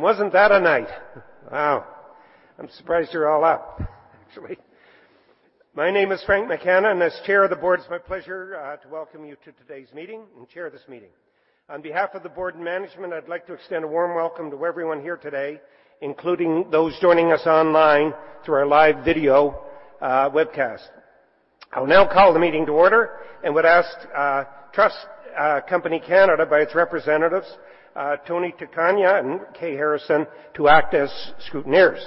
Wasn't that a night? Wow. I'm surprised you're all up, actually. My name is Frank McKenna. As chair of the board, it's my pleasure to welcome you to today's meeting and chair this meeting. On behalf of the board and management, I'd like to extend a warm welcome to everyone here today, including those joining us online through our live video webcast. I will now call the meeting to order and would ask The Canada Trust Company by its representatives, [Tony Takanya] and Kay Harrison, to act as scrutineers.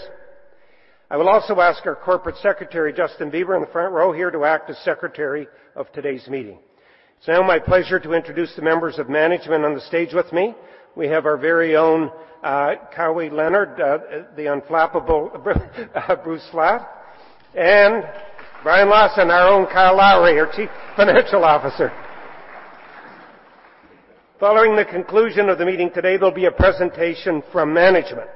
I will also ask our corporate secretary, Justin Beber, in the front row here, to act as secretary of today's meeting. It's now my pleasure to introduce the members of management on the stage with me. We have our very own Kawhi Leonard, the unflappable Bruce Flatt, and Brian Lawson, our own Kyle Lowry, our chief financial officer. Following the conclusion of the meeting today, there'll be a presentation from management.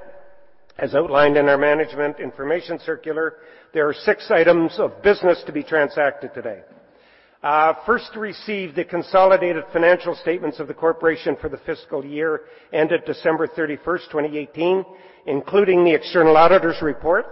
As outlined in our management information circular, there are six items of business to be transacted today. First, to receive the consolidated financial statements of the corporation for the fiscal year ended December 31st, 2018, including the external auditor's report.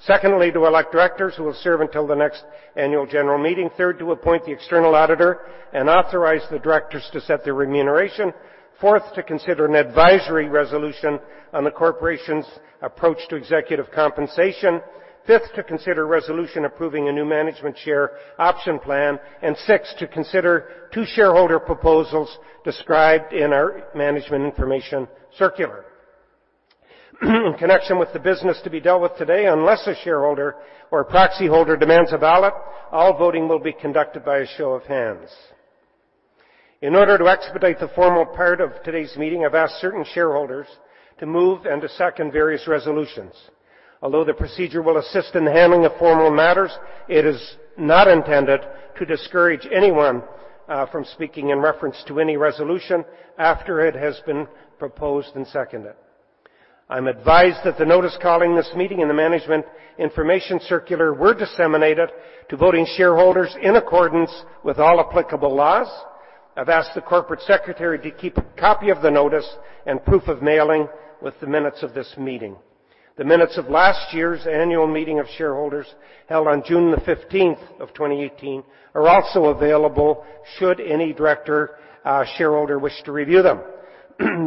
Secondly, to elect directors who will serve until the next annual general meeting. Third, to appoint the external auditor and authorize the directors to set their remuneration. Fourth, to consider an advisory resolution on the corporation's approach to executive compensation. Fifth, to consider resolution approving a new management share option plan. Sixth, to consider two shareholder proposals described in our management information circular. In connection with the business to be dealt with today, unless a shareholder or proxyholder demands a ballot, all voting will be conducted by a show of hands. In order to expedite the formal part of today's meeting, I've asked certain shareholders to move and to second various resolutions. Although the procedure will assist in handling the formal matters, it is not intended to discourage anyone from speaking in reference to any resolution after it has been proposed and seconded. I'm advised that the notice calling this meeting and the management information circular were disseminated to voting shareholders in accordance with all applicable laws. I've asked the corporate secretary to keep a copy of the notice and proof of mailing with the minutes of this meeting. The minutes of last year's annual meeting of shareholders held on June the 15th of 2018 are also available should any director shareholder wish to review them.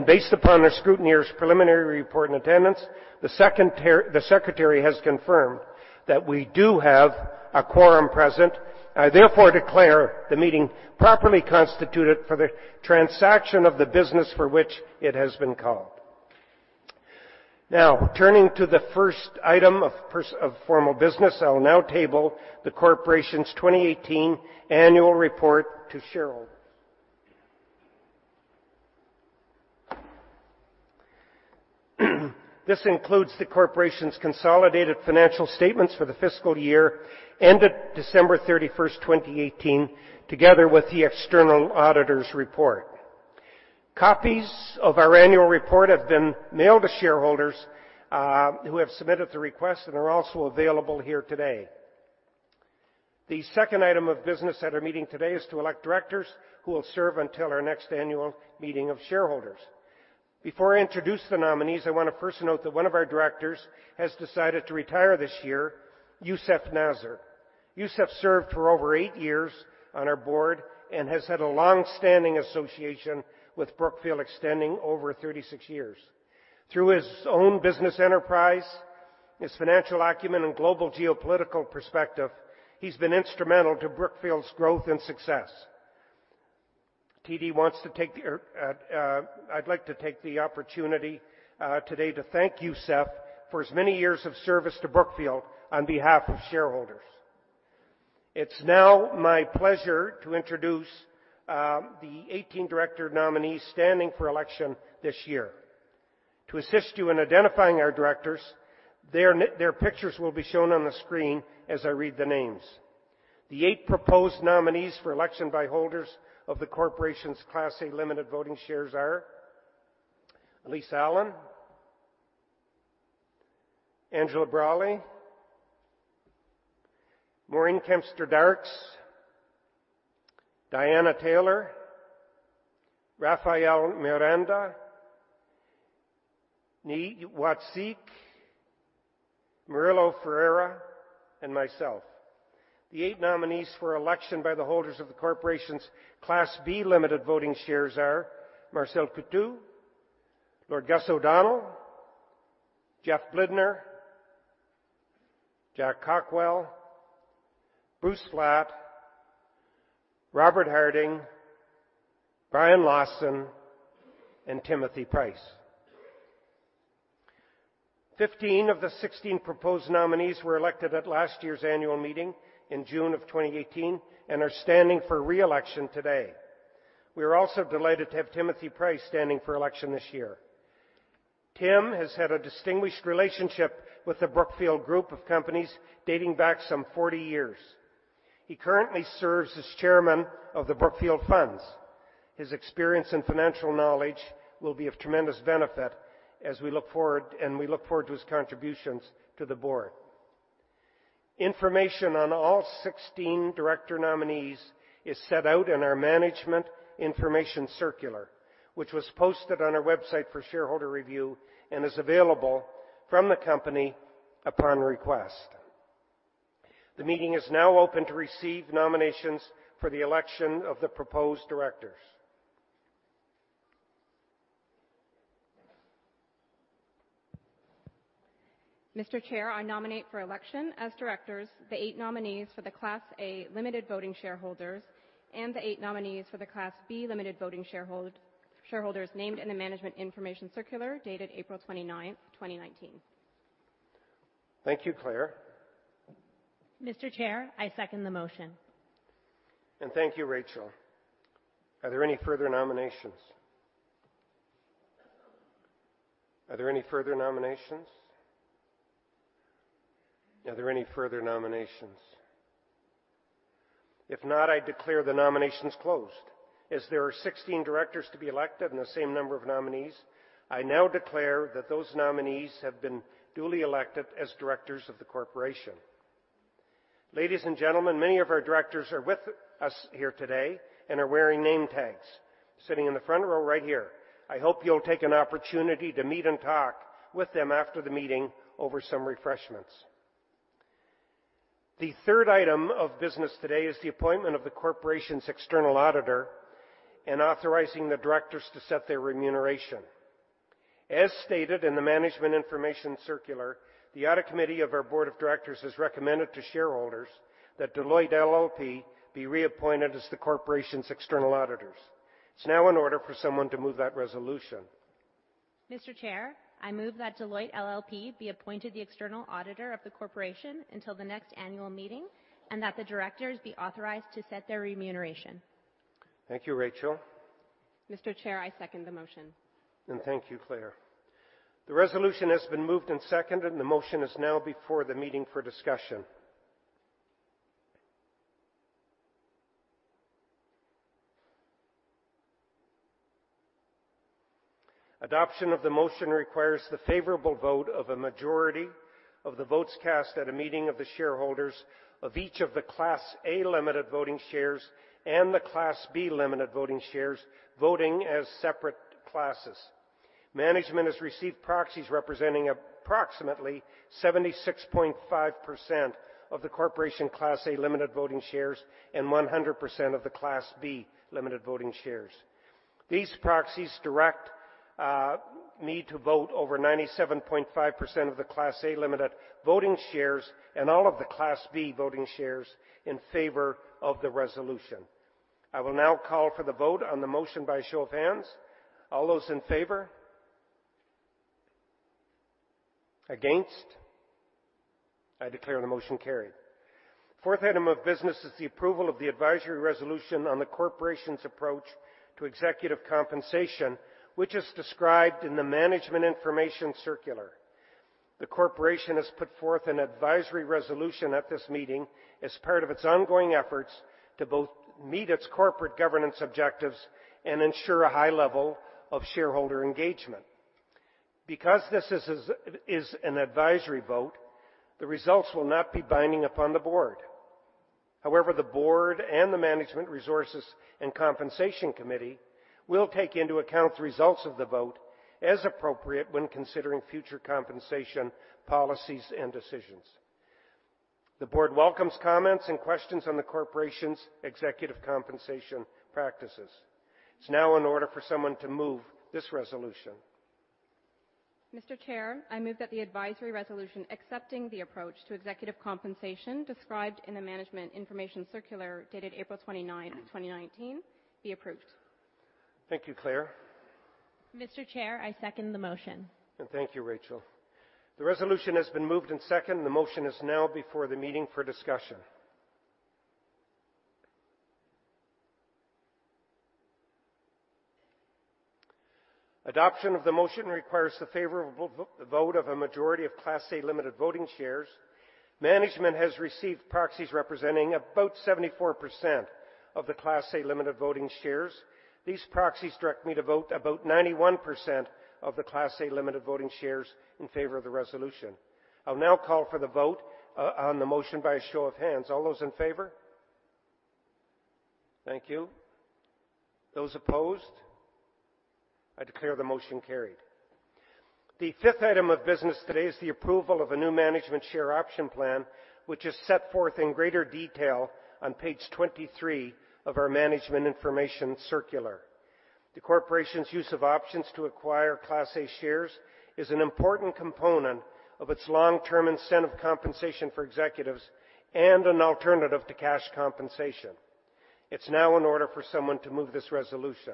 Based upon the scrutineer's preliminary report and attendance, the secretary has confirmed that we do have a quorum present. I therefore declare the meeting properly constituted for the transaction of the business for which it has been called. Turning to the first item of formal business, I will now table the corporation's 2018 annual report to shareholders. This includes the corporation's consolidated financial statements for the fiscal year ended December 31st, 2018, together with the external auditor's report. Copies of our annual report have been mailed to shareholders who have submitted the request and are also available here today. The second item of business at our meeting today is to elect directors who will serve until our next annual meeting of shareholders. Before I introduce the nominees, I want to first note that one of our directors has decided to retire this year, Youssef Nasr. Youssef served for over 8 years on our board and has had a long-standing association with Brookfield extending over 36 years. Through his own business enterprise, his financial acumen, and global geopolitical perspective, he has been instrumental to Brookfield's growth and success. I would like to take the opportunity today to thank Youssef Nasr for his many years of service to Brookfield on behalf of shareholders. It is now my pleasure to introduce the 18 director nominees standing for election this year. To assist you in identifying our directors, their pictures will be shown on the screen as I read the names. The eight proposed nominees for election by holders of the corporation's Class A limited voting shares are Elyse Allan, Angela Braly, Maureen Kempston Darkes, Diana Taylor, Rafael Miranda, Ni Watzek, Murillo Ferreira, and myself. The eight nominees for election by the holders of the corporation's Class B limited voting shares are Marcel Coutu, Lord Gus O'Donnell, Jeff Blidner, Jack Cockwell, Bruce Flatt, Robert Harding, Brian Lawson, and Timothy Price. 15 of the 16 proposed nominees were elected at last year's annual meeting in June of 2018 and are standing for re-election today. We are also delighted to have Timothy Price standing for election this year. Tim has had a distinguished relationship with the Brookfield Group of companies dating back some 40 years. He currently serves as chairman of the Brookfield Funds. His experience and financial knowledge will be of tremendous benefit, and we look forward to his contributions to the board. Information on all 16 director nominees is set out in our management information circular, which was posted on our website for shareholder review and is available from the company upon request. The meeting is now open to receive nominations for the election of the proposed directors. Mr. Chair, I nominate for election as directors the eight nominees for the Class A limited voting shareholders and the eight nominees for the Class B limited voting shareholders named in the management information circular dated April 29th, 2019. Thank you, Claire. Mr. Chair, I second the motion. Thank you, Rachel. Are there any further nominations? Are there any further nominations? Are there any further nominations? If not, I declare the nominations closed. As there are 16 directors to be elected and the same number of nominees, I now declare that those nominees have been duly elected as directors of the corporation. Ladies and gentlemen, many of our directors are with us here today and are wearing name tags, sitting in the front row right here. I hope you will take an opportunity to meet and talk with them after the meeting over some refreshments. The third item of business today is the appointment of the corporation's external auditor and authorizing the directors to set their remuneration. As stated in the management information circular, the audit committee of our board of directors has recommended to shareholders that Deloitte LLP be reappointed as the corporation's external auditors. It is now in order for someone to move that resolution. Mr. Chair, I move that Deloitte LLP be appointed the external auditor of the corporation until the next annual meeting, and that the directors be authorized to set their remuneration. Thank you, Rachel. Mr. Chair, I second the motion. Thank you, Claire. The resolution has been moved and seconded, and the motion is now before the meeting for discussion. Adoption of the motion requires the favorable vote of a majority of the votes cast at a meeting of the shareholders of each of the Class A limited voting shares and the Class B limited voting shares, voting as separate classes. Management has received proxies representing approximately 76.5% of the corporation Class A limited voting shares and 100% of the Class B limited voting shares. These proxies direct me to vote over 97.5% of the Class A limited voting shares and all of the Class B voting shares in favor of the resolution. I will now call for the vote on the motion by show of hands. All those in favor? Against? I declare the motion carried. Fourth item of business is the approval of the advisory resolution on the corporation's approach to executive compensation, which is described in the management information circular. The corporation has put forth an advisory resolution at this meeting as part of its ongoing efforts to both meet its corporate governance objectives and ensure a high level of shareholder engagement. Because this is an advisory vote, the results will not be binding upon the board. However, the board and the management resources and compensation committee will take into account the results of the vote as appropriate when considering future compensation policies and decisions. The board welcomes comments and questions on the corporation's executive compensation practices. It is now in order for someone to move this resolution. Mr. Chair, I move that the advisory resolution accepting the approach to executive compensation described in the management information circular, dated April 29th, 2019, be approved. Thank you, Claire. Mr. Chair, I second the motion. Thank you, Rachel. The resolution has been moved and seconded. The motion is now before the meeting for discussion. Adoption of the motion requires the favorable vote of a majority of Class A limited voting shares. Management has received proxies representing about 74% of the Class A limited voting shares. These proxies direct me to vote about 91% of the Class A limited voting shares in favor of the resolution. I'll now call for the vote on the motion by a show of hands. All those in favor? Thank you. Those opposed? I declare the motion carried. The fifth item of business today is the approval of a new management share option plan, which is set forth in greater detail on page 23 of our management information circular. The corporation's use of options to acquire Class A shares is an important component of its long-term incentive compensation for executives and an alternative to cash compensation. It's now in order for someone to move this resolution.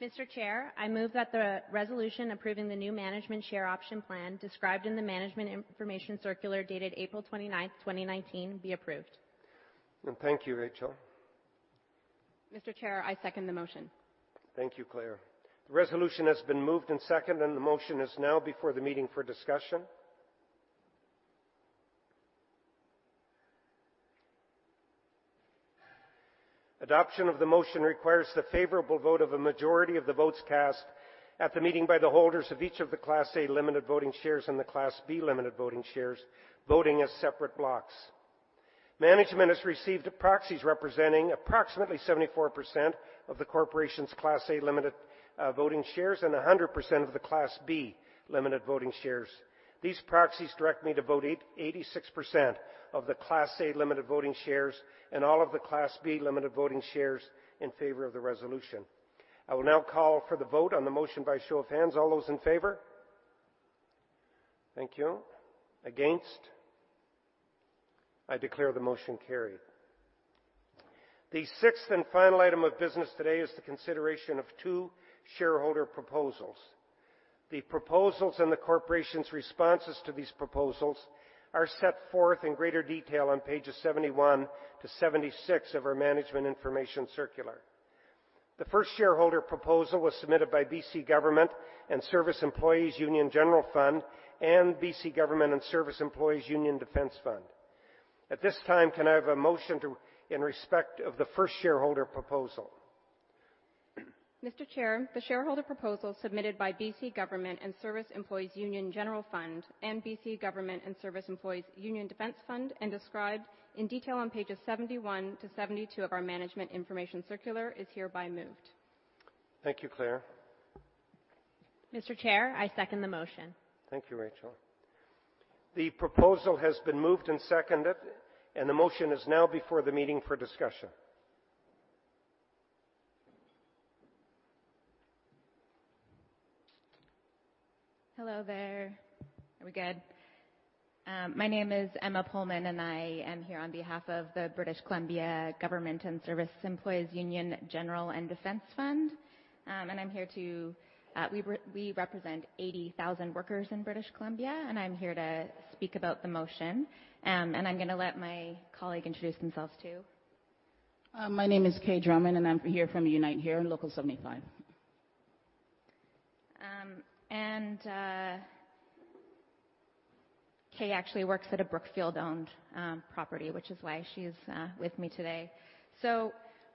Mr. Chair, I move that the resolution approving the new management share option plan described in the management information circular dated April 29th, 2019, be approved. Thank you, Rachel. Mr. Chair, I second the motion. Thank you, Claire. The resolution has been moved and seconded. The motion is now before the meeting for discussion. Adoption of the motion requires the favorable vote of a majority of the votes cast at the meeting by the holders of each of the Class A limited voting shares and the Class B limited voting shares, voting as separate blocks. Management has received proxies representing approximately 74% of the corporation's Class A limited voting shares and 100% of the Class B limited voting shares. These proxies direct me to vote 86% of the Class A limited voting shares and all of the Class B limited voting shares in favor of the resolution. I will now call for the vote on the motion by show of hands. All those in favor? Thank you. Against? I declare the motion carried. The sixth and final item of business today is the consideration of two shareholder proposals. The proposals and the corporation's responses to these proposals are set forth in greater detail on pages 71 to 76 of our management information circular. The first shareholder proposal was submitted by B.C. Government and Service Employees' Union General Fund and B.C. Government and Service Employees' Union Defence Fund. At this time, can I have a motion in respect of the first shareholder proposal? Mr. Chair, the shareholder proposal submitted by B.C. Government and Service Employees' Union General Fund and B.C. Government and Service Employees' Union Defence Fund and described in detail on pages 71 to 72 of our management information circular is hereby moved. Thank you, Claire. Mr. Chair, I second the motion. Thank you, Rachel. The proposal has been moved and seconded, the motion is now before the meeting for discussion. Hello there. Are we good? My name is Emma Pohlmann, I am here on behalf of the British Columbia Government and Service Employees Union General and Defence Fund. We represent 80,000 workers in British Columbia, I'm here to speak about the motion. I'm going to let my colleague introduce themselves, too. My name is Kayann Drummond, I'm here from UNITE HERE Local 75. Kay actually works at a Brookfield-owned property, which is why she's with me today.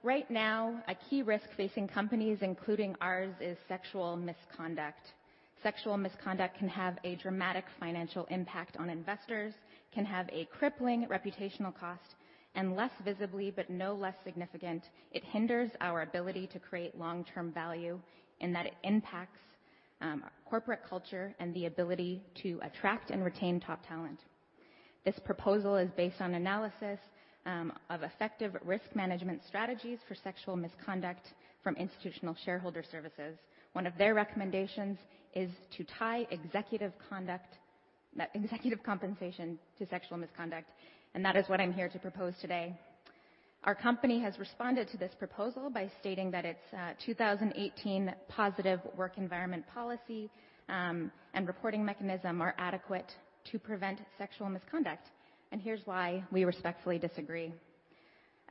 Right now, a key risk facing companies, including ours, is sexual misconduct. Sexual misconduct can have a dramatic financial impact on investors, can have a crippling reputational cost, and less visibly but no less significant, it hinders our ability to create long-term value in that it impacts corporate culture and the ability to attract and retain top talent. This proposal is based on analysis of effective risk management strategies for sexual misconduct from Institutional Shareholder Services. One of their recommendations is to tie executive compensation to sexual misconduct, and that is what I'm here to propose today. Our company has responded to this proposal by stating that its 2018 positive work environment policy, and reporting mechanism are adequate to prevent sexual misconduct. Here's why we respectfully disagree.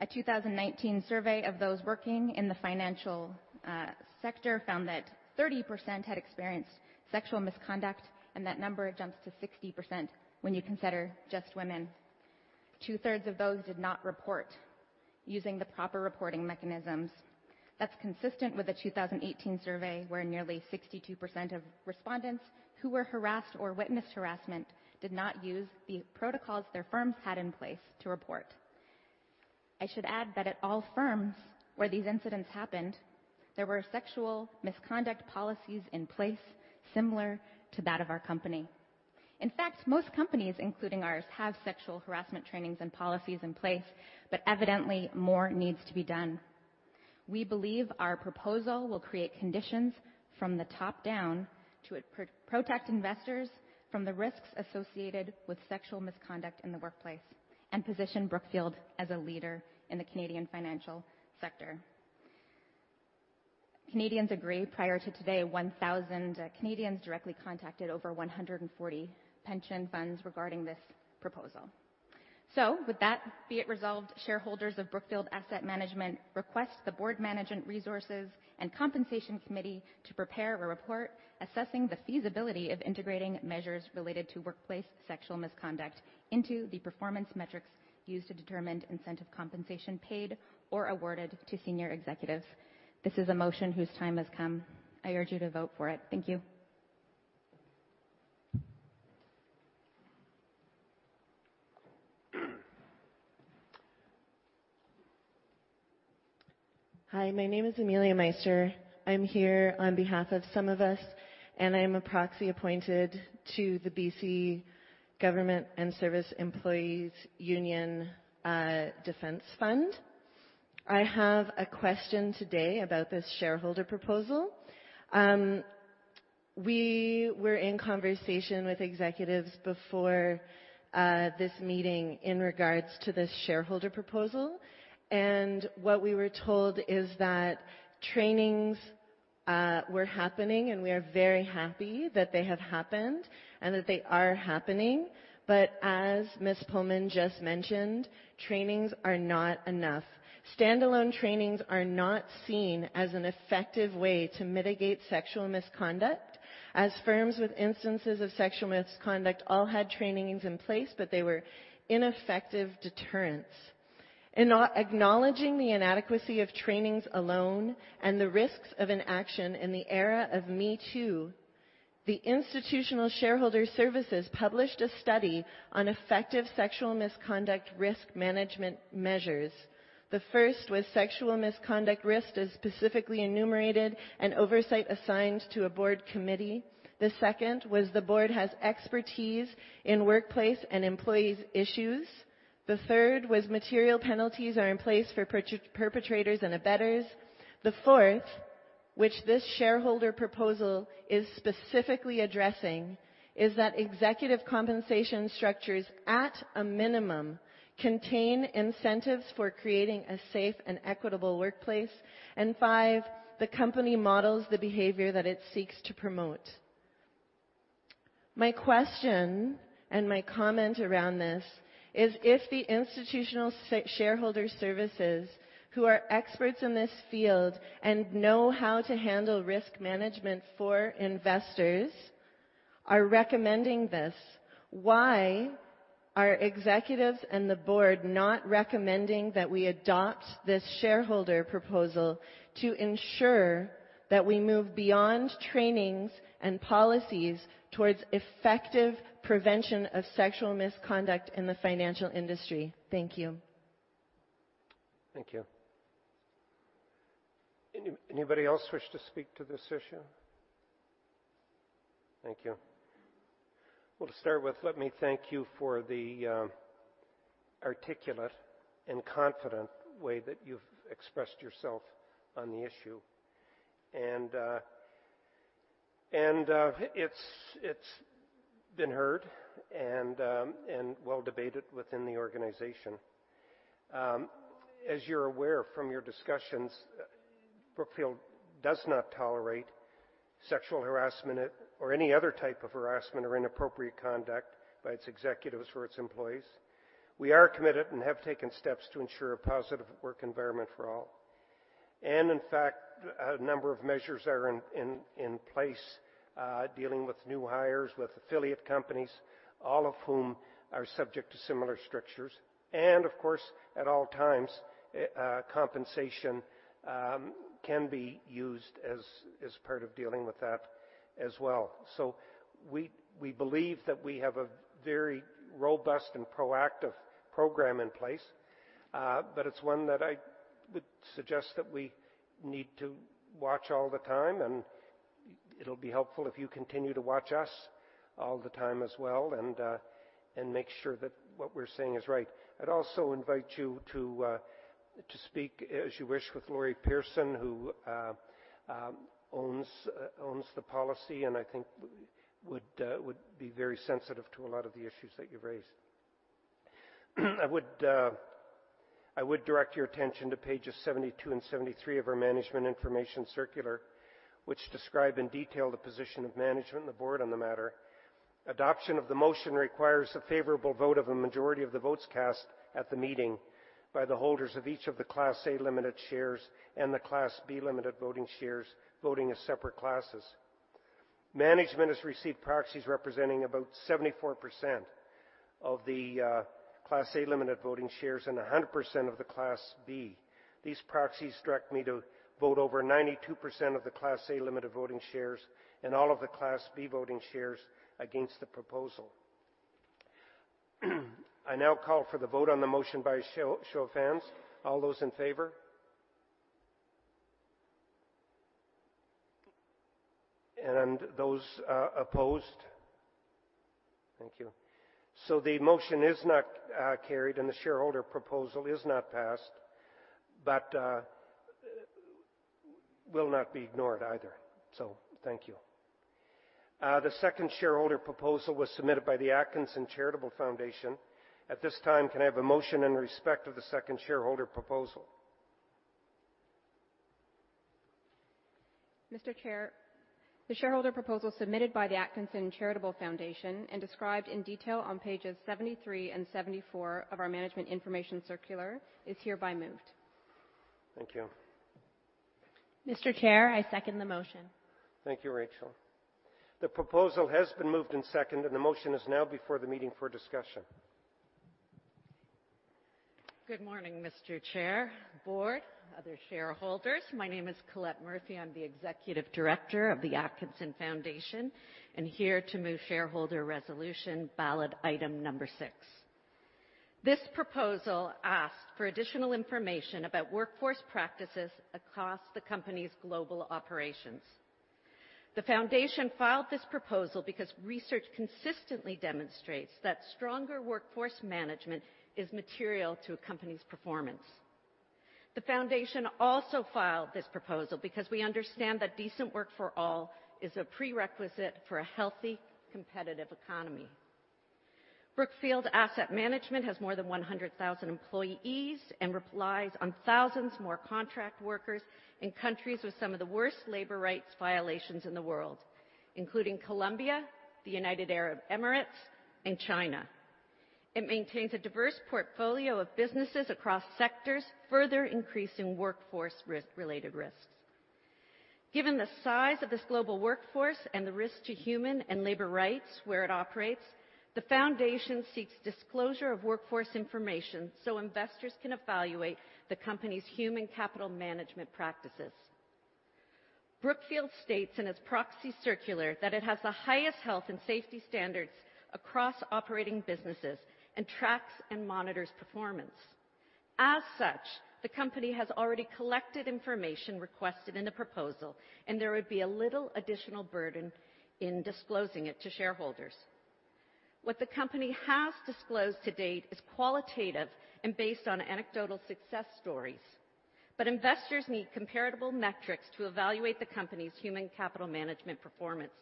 A 2019 survey of those working in the financial sector found that 30% had experienced sexual misconduct, and that number jumps to 60% when you consider just women. Two-thirds of those did not report using the proper reporting mechanisms. That's consistent with a 2018 survey where nearly 62% of respondents who were harassed or witnessed harassment did not use the protocols their firms had in place to report. I should add that at all firms where these incidents happened, there were sexual misconduct policies in place similar to that of our company. In fact, most companies, including ours, have sexual harassment trainings and policies in place, but evidently, more needs to be done. We believe our proposal will create conditions from the top down to protect investors from the risks associated with sexual misconduct in the workplace and position Brookfield as a leader in the Canadian financial sector. Canadians agree. Prior to today, 1,000 Canadians directly contacted over 140 pension funds regarding this proposal. With that, be it resolved shareholders of Brookfield Asset Management request the Board Management Resources and Compensation Committee to prepare a report assessing the feasibility of integrating measures related to workplace sexual misconduct into the performance metrics used to determine incentive compensation paid or awarded to senior executives. This is a motion whose time has come. I urge you to vote for it. Thank you. Hi, my name is Amelia Meister. I'm here on behalf of SumOfUs, and I'm a proxy appointed to the British Columbia Government and Service Employees Union Defense Fund. I have a question today about this shareholder proposal. We were in conversation with executives before this meeting in regards to this shareholder proposal, and what we were told is that trainings were happening, and we are very happy that they have happened and that they are happening. As Ms. Pohlmann just mentioned, trainings are not enough. Standalone trainings are not seen as an effective way to mitigate sexual misconduct, as firms with instances of sexual misconduct all had trainings in place, but they were ineffective deterrents. Acknowledging the inadequacy of trainings alone and the risks of inaction in the era of MeToo, the Institutional Shareholder Services published a study on effective sexual misconduct risk management measures. The first was sexual misconduct risk is specifically enumerated and oversight assigned to a board committee. The second was the board has expertise in workplace and employees' issues. The third was material penalties are in place for perpetrators and abettors. The fourth, which this shareholder proposal is specifically addressing, is that executive compensation structures, at a minimum, contain incentives for creating a safe and equitable workplace. Five, the company models the behavior that it seeks to promote. My question and my comment around this is if Institutional Shareholder Services, who are experts in this field and know how to handle risk management for investors, are recommending this, why are executives and the board not recommending that we adopt this shareholder proposal to ensure that we move beyond trainings and policies towards effective prevention of sexual misconduct in the financial industry? Thank you. Thank you. Anybody else wish to speak to this issue? Thank you. Well, to start with, let me thank you for the articulate and confident way that you've expressed yourself on the issue. It's been heard and well debated within the organization. As you're aware from your discussions, Brookfield does not tolerate sexual harassment or any other type of harassment or inappropriate conduct by its executives or its employees. We are committed and have taken steps to ensure a positive work environment for all. In fact, a number of measures are in place dealing with new hires, with affiliate companies, all of whom are subject to similar structures. Of course, at all times, compensation can be used as part of dealing with that as well. We believe that we have a very robust and proactive program in place, but it's one that I would suggest that we need to watch all the time. It'll be helpful if you continue to watch us all the time as well and make sure that what we're saying is right. I'd also invite you to speak as you wish with Lori Pearson, who owns the policy, and I think would be very sensitive to a lot of the issues that you've raised. I would direct your attention to pages 72 and 73 of our management information circular, which describe in detail the position of management and the board on the matter. Adoption of the motion requires a favorable vote of a majority of the votes cast at the meeting by the holders of each of the Class A limited voting shares and the Class B limited voting shares, voting as separate classes. Management has received proxies representing about 74% of the Class A limited voting shares and 100% of the Class B. These proxies direct me to vote over 92% of the Class A limited voting shares and all of the Class B voting shares against the proposal. I now call for the vote on the motion by show of hands. All those in favor? And those opposed? Thank you. The motion is not carried, and the shareholder proposal is not passed, but will not be ignored either. Thank you. The second shareholder proposal was submitted by the Atkinson Charitable Foundation. At this time, can I have a motion in respect of the second shareholder proposal? Mr. Chair, the shareholder proposal submitted by the Atkinson Charitable Foundation and described in detail on pages 73 and 74 of our management information circular is hereby moved. Thank you. Mr. Chair, I second the motion. Thank you, Rachel. The proposal has been moved and seconded, and the motion is now before the meeting for discussion. Good morning, Mr. Chair, board, other shareholders. My name is Colette Murphy. I'm the executive director of the Atkinson Foundation and here to move shareholder resolution ballot item number six. This proposal asks for additional information about workforce practices across the company's global operations. The foundation filed this proposal because research consistently demonstrates that stronger workforce management is material to a company's performance. The foundation also filed this proposal because we understand that decent work for all is a prerequisite for a healthy, competitive economy. Brookfield Asset Management has more than 100,000 employees and relies on thousands more contract workers in countries with some of the worst labor rights violations in the world, including Colombia, the United Arab Emirates, and China. It maintains a diverse portfolio of businesses across sectors, further increasing workforce-related risks. Given the size of this global workforce and the risk to human and labor rights where it operates, the foundation seeks disclosure of workforce information so investors can evaluate the company's human capital management practices. Brookfield states in its proxy circular that it has the highest health and safety standards across operating businesses and tracks and monitors performance. As such, the company has already collected information requested in the proposal, and there would be a little additional burden in disclosing it to shareholders. What the company has disclosed to date is qualitative and based on anecdotal success stories, but investors need comparable metrics to evaluate the company's human capital management performance,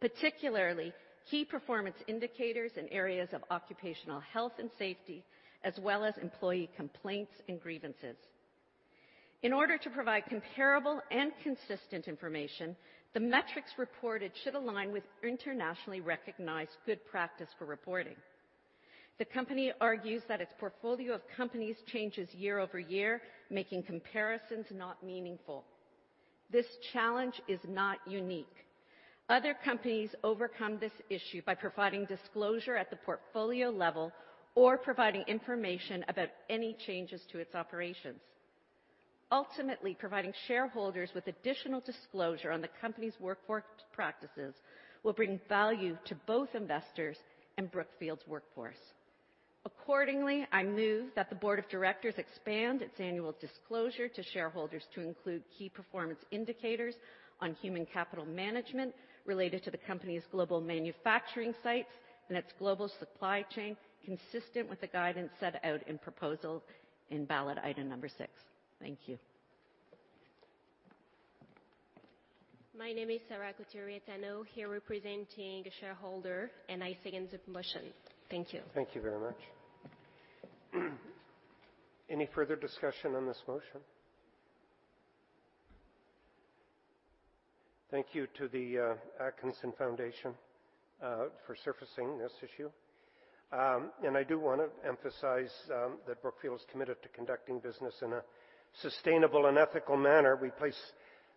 particularly key performance indicators in areas of occupational health and safety, as well as employee complaints and grievances. In order to provide comparable and consistent information, the metrics reported should align with internationally recognized good practice for reporting. The company argues that its portfolio of companies changes year-over-year, making comparisons not meaningful. This challenge is not unique. Other companies overcome this issue by providing disclosure at the portfolio level or providing information about any changes to its operations. Ultimately, providing shareholders with additional disclosure on the company's workforce practices will bring value to both investors and Brookfield's workforce. Accordingly, I move that the board of directors expand its annual disclosure to shareholders to include key performance indicators on human capital management related to the company's global manufacturing sites and its global supply chain, consistent with the guidance set out in proposal in ballot item number six. Thank you. My name is Sarah Coturietano, here representing a shareholder, I second the motion. Thank you. Thank you very much. Any further discussion on this motion? Thank you to the Atkinson Foundation for surfacing this issue. I do want to emphasize that Brookfield's committed to conducting business in a sustainable and ethical manner. We place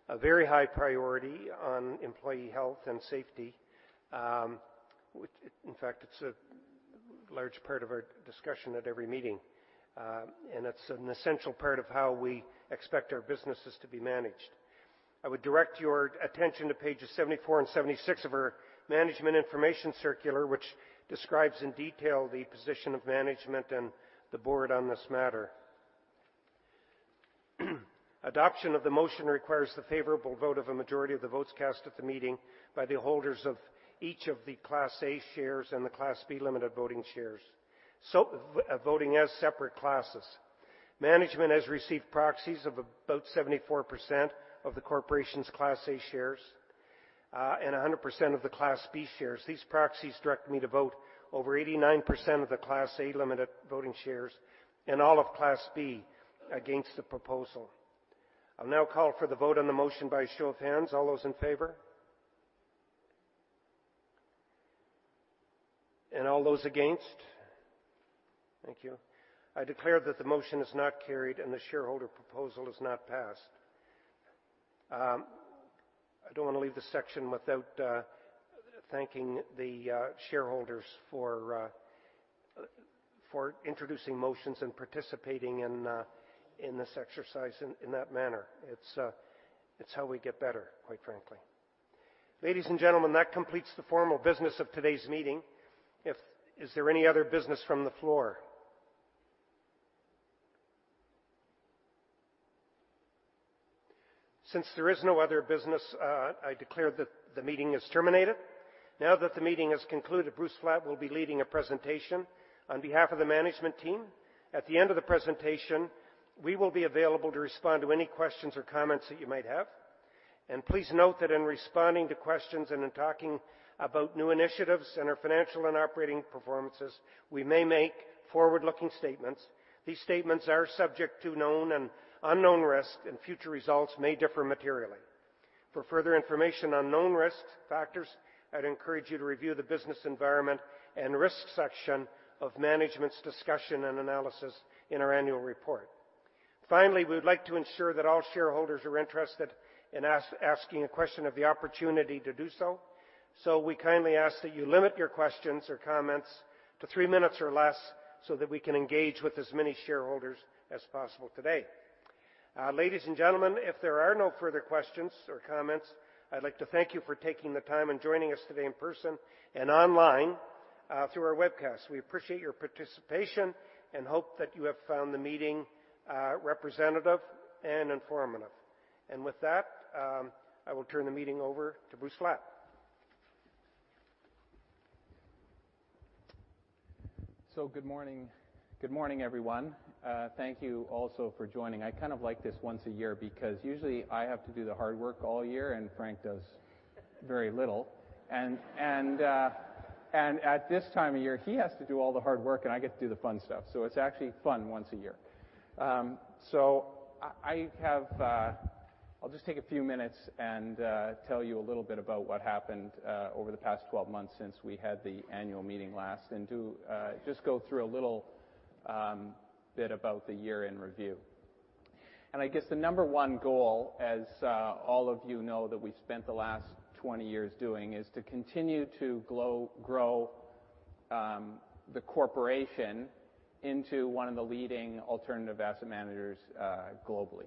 a very high priority on employee health and safety. In fact, it's a large part of our discussion at every meeting, and it's an essential part of how we expect our businesses to be managed. I would direct your attention to pages 74 and 76 of our management information circular, which describes in detail the position of management and the board on this matter. Adoption of the motion requires the favorable vote of a majority of the votes cast at the meeting by the holders of each of the Class A shares and the Class B limited voting shares, voting as separate classes. Management has received proxies of about 74% of the corporation's Class A shares and 100% of the Class B shares. These proxies direct me to vote over 89% of the Class A limited voting shares and all of Class B against the proposal. I'll now call for the vote on the motion by show of hands. All those in favor? All those against? Thank you. I declare that the motion is not carried and the shareholder proposal is not passed. I don't want to leave this section without thanking the shareholders for introducing motions and participating in this exercise in that manner. It's how we get better, quite frankly. Ladies and gentlemen, that completes the formal business of today's meeting. Is there any other business from the floor? Since there is no other business, I declare that the meeting is terminated. Now that the meeting is concluded, Bruce Flatt will be leading a presentation on behalf of the management team. At the end of the presentation, we will be available to respond to any questions or comments that you might have. Please note that in responding to questions and in talking about new initiatives and our financial and operating performances, we may make forward-looking statements. These statements are subject to known and unknown risks, and future results may differ materially. For further information on known risk factors, I'd encourage you to review the business environment and risk section of management's discussion and analysis in our annual report. Finally, we would like to ensure that all shareholders who are interested in asking a question have the opportunity to do so. We kindly ask that you limit your questions or comments to three minutes or less so that we can engage with as many shareholders as possible today. Ladies and gentlemen, if there are no further questions or comments, I'd like to thank you for taking the time and joining us today in person and online through our webcast. We appreciate your participation and hope that you have found the meeting representative and informative. With that, I will turn the meeting over to Bruce Flatt. Good morning. Good morning, everyone. Thank you also for joining. I kind of like this once a year because usually I have to do the hard work all year, Frank does very little. At this time of year, he has to do all the hard work, and I get to do the fun stuff. It's actually fun once a year. I'll just take a few minutes and tell you a little bit about what happened over the past 12 months since we had the annual meeting last and just go through a little bit about the year in review. I guess the number one goal, as all of you know that we spent the last 20 years doing, is to continue to grow the corporation into one of the leading alternative asset managers globally.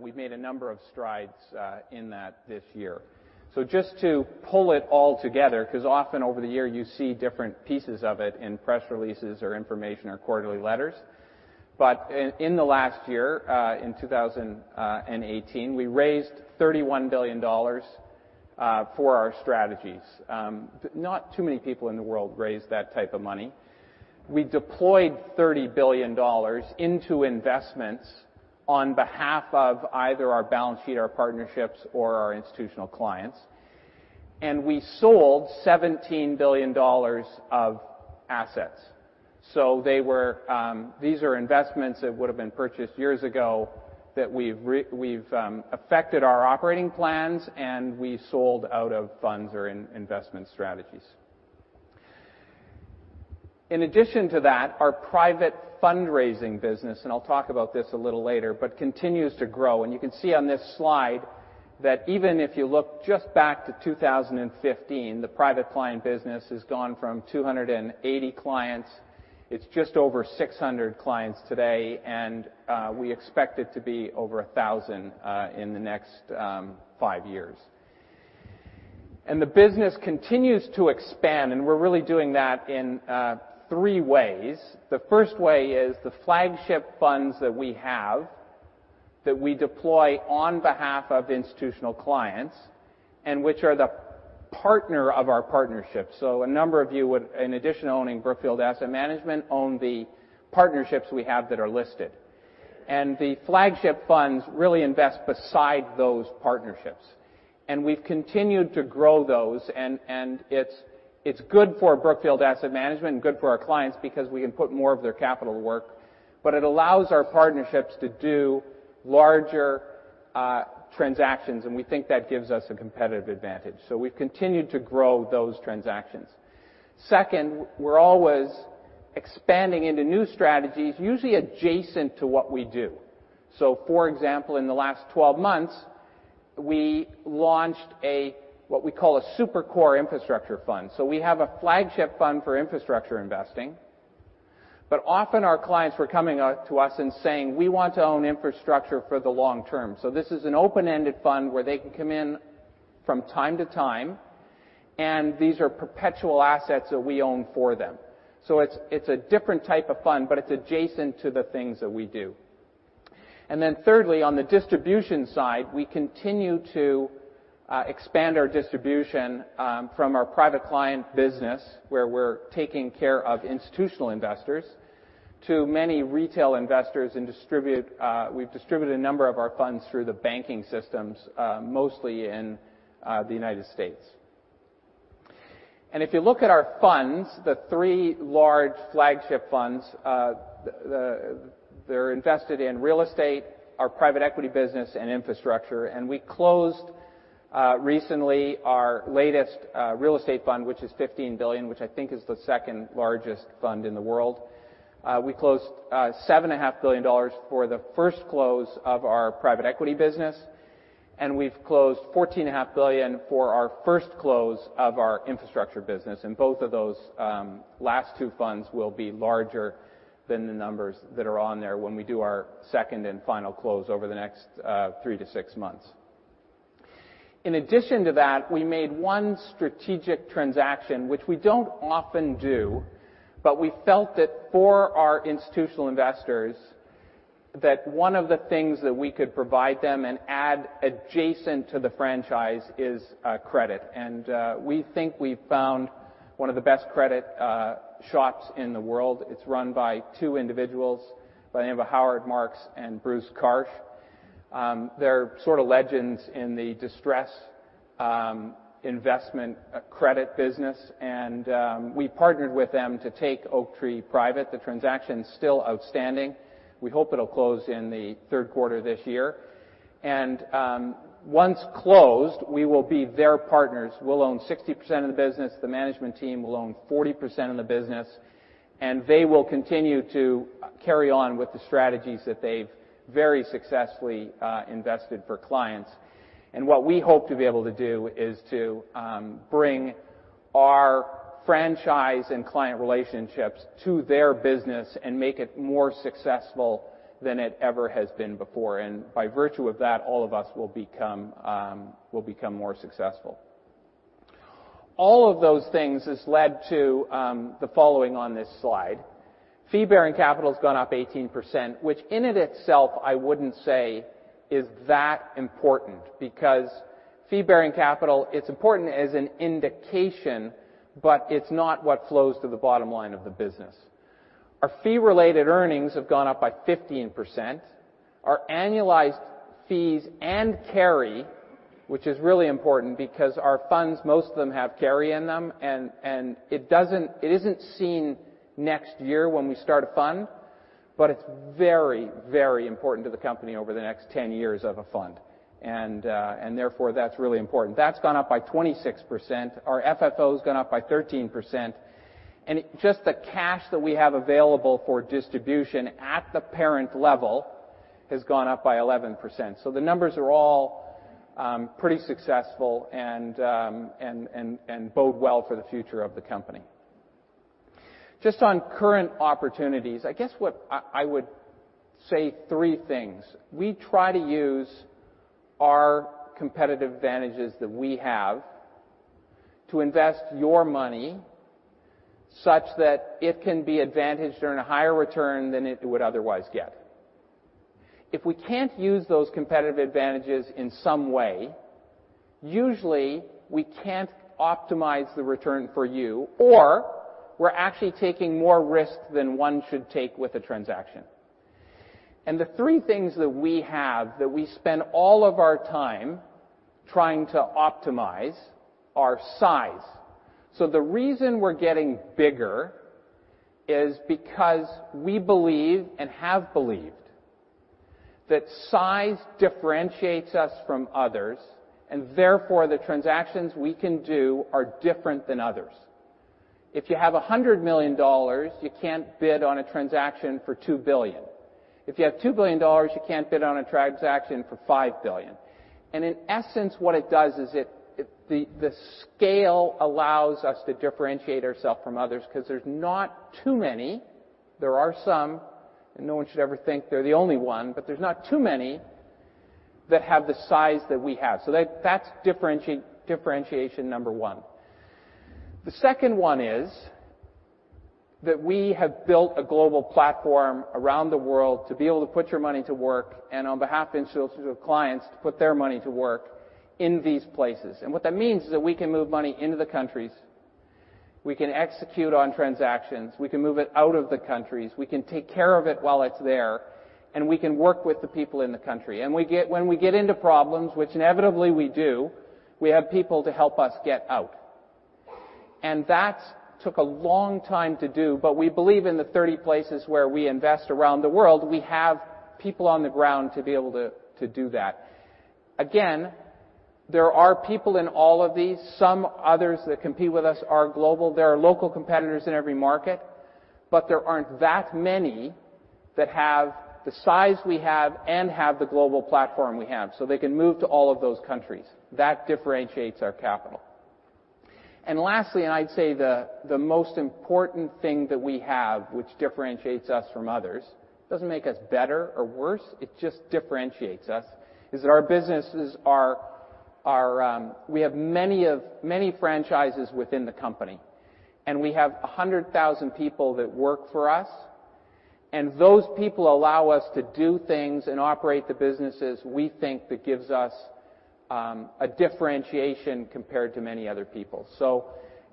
We've made a number of strides in that this year. Just to pull it all together, because often over the year you see different pieces of it in press releases or information or quarterly letters. In the last year, in 2018, we raised $31 billion for our strategies. Not too many people in the world raise that type of money. We deployed $30 billion into investments on behalf of either our balance sheet, our partnerships, or our institutional clients. We sold $17 billion of assets. These are investments that would've been purchased years ago that we've affected our operating plans, and we sold out of funds or in investment strategies. In addition to that, our private fundraising business, and I'll talk about this a little later, but continues to grow. You can see on this slide that even if you look just back to 2015, the private client business has gone from 280 clients, it's just over 600 clients today, and we expect it to be over 1,000 in the next five years. The business continues to expand, and we're really doing that in three ways. The first way is the flagship funds that we have that we deploy on behalf of institutional clients and which are the partner of our partnerships. A number of you would, in addition to owning Brookfield Asset Management, own the partnerships we have that are listed. The flagship funds really invest beside those partnerships. We've continued to grow those, and it's good for Brookfield Asset Management and good for our clients because we can put more of their capital to work, but it allows our partnerships to do larger transactions, and we think that gives us a competitive advantage. We've continued to grow those transactions. Second, we're always expanding into new strategies, usually adjacent to what we do. For example, in the last 12 months, we launched what we call a super core infrastructure fund. We have a flagship fund for infrastructure investing, but often our clients were coming to us and saying, "We want to own infrastructure for the long term." This is an open-ended fund where they can come in from time to time, and these are perpetual assets that we own for them. It's a different type of fund, but it's adjacent to the things that we do. Thirdly, on the distribution side, we continue to expand our distribution from our private client business, where we're taking care of institutional investors, to many retail investors and we've distributed a number of our funds through the banking systems, mostly in the U.S. If you look at our funds, the three large flagship funds, they're invested in real estate, our private equity business, and infrastructure. We closed recently our latest real estate fund, which is 15 billion, which I think is the second largest fund in the world. We closed 7.5 billion dollars for the first close of our private equity business, and we've closed 14.5 billion for our first close of our infrastructure business. Both of those last two funds will be larger than the numbers that are on there when we do our second and final close over the next three to six months. In addition to that, we made one strategic transaction, which we don't often do, but we felt that for our institutional investors, that one of the things that we could provide them and add adjacent to the franchise is credit. We think we've found one of the best credit shops in the world. It's run by two individuals by the name of Howard Marks and Bruce Karsh. They're sort of legends in the distress investment credit business. We partnered with them to take Oaktree private. The transaction's still outstanding. We hope it'll close in the third quarter this year. Once closed, we will be their partners. We'll own 60% of the business. The management team will own 40% of the business, and they will continue to carry on with the strategies that they've very successfully invested for clients. What we hope to be able to do is to bring our franchise and client relationships to their business and make it more successful than it ever has been before. By virtue of that, all of us will become more successful. All of those things has led to the following on this slide. Fee-bearing capital's gone up 18%, which in of itself I wouldn't say is that important, because fee-bearing capital, it's important as an indication, but it's not what flows to the bottom line of the business. Our fee-related earnings have gone up by 15%. Our annualized fees and carry, which is really important because our funds, most of them have carry in them, and it isn't seen next year when we start a fund. It's very, very important to the company over the next 10 years of a fund, and therefore that's really important. That's gone up by 26%. Our FFO has gone up by 13%, and just the cash that we have available for distribution at the parent level has gone up by 11%. The numbers are all pretty successful and bode well for the future of the company. Just on current opportunities, I guess what I would say three things. We try to use our competitive advantages that we have to invest your money such that it can be advantaged to earn a higher return than it would otherwise get. If we can't use those competitive advantages in some way, usually we can't optimize the return for you, or we're actually taking more risk than one should take with a transaction. The three things that we have that we spend all of our time trying to optimize are size. The reason we're getting bigger is because we believe, and have believed, that size differentiates us from others, and therefore the transactions we can do are different than others. If you have $100 million, you can't bid on a transaction for $2 billion. If you have $2 billion, you can't bid on a transaction for $5 billion. In essence, what it does is the scale allows us to differentiate ourselves from others because there's not too many. There are some, and no one should ever think they're the only one, but there's not too many that have the size that we have. That's differentiation number 1. The second one is that we have built a global platform around the world to be able to put your money to work, and on behalf of institutional clients, to put their money to work in these places. What that means is that we can move money into the countries, we can execute on transactions, we can move it out of the countries, we can take care of it while it's there, and we can work with the people in the country. When we get into problems, which inevitably we do, we have people to help us get out. That took a long time to do, we believe in the 30 places where we invest around the world, we have people on the ground to be able to do that. Again, there are people in all of these. Some others that compete with us are global. There are local competitors in every market. There aren't that many that have the size we have and have the global platform we have, so they can move to all of those countries. That differentiates our capital. Lastly, I'd say the most important thing that we have which differentiates us from others, doesn't make us better or worse, it just differentiates us, is that we have many franchises within the company, and we have 100,000 people that work for us, and those people allow us to do things and operate the businesses we think that gives us a differentiation compared to many other people.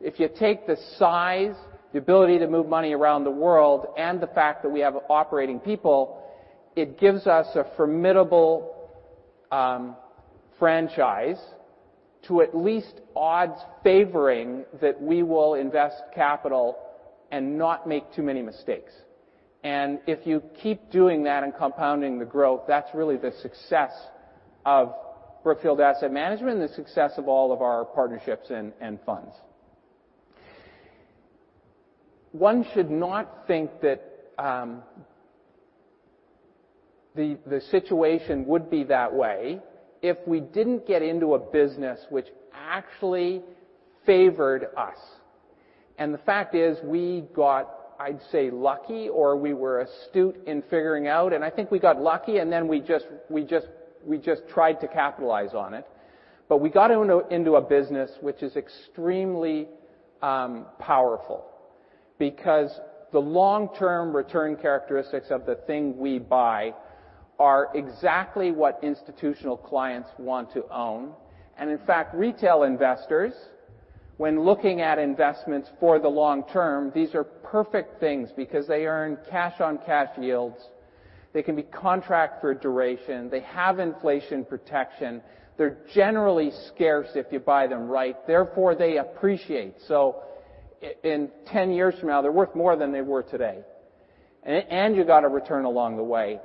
If you take the size, the ability to move money around the world, and the fact that we have operating people, it gives us a formidable franchise to at least odds favoring that we will invest capital and not make too many mistakes. If you keep doing that and compounding the growth, that's really the success of Brookfield Asset Management and the success of all of our partnerships and funds. One should not think that the situation would be that way if we didn't get into a business which actually favored us. The fact is, we got, I'd say, lucky, or we were astute in figuring out. I think we got lucky, and then we just tried to capitalize on it. We got into a business which is extremely powerful because the long-term return characteristics of the thing we buy are exactly what institutional clients want to own. In fact, retail investors, when looking at investments for the long term, these are perfect things because they earn cash-on-cash yields. They can be contract for a duration. They have inflation protection. They're generally scarce if you buy them right, therefore, they appreciate. In 10 years from now, they're worth more than they were today. You got a return along the way.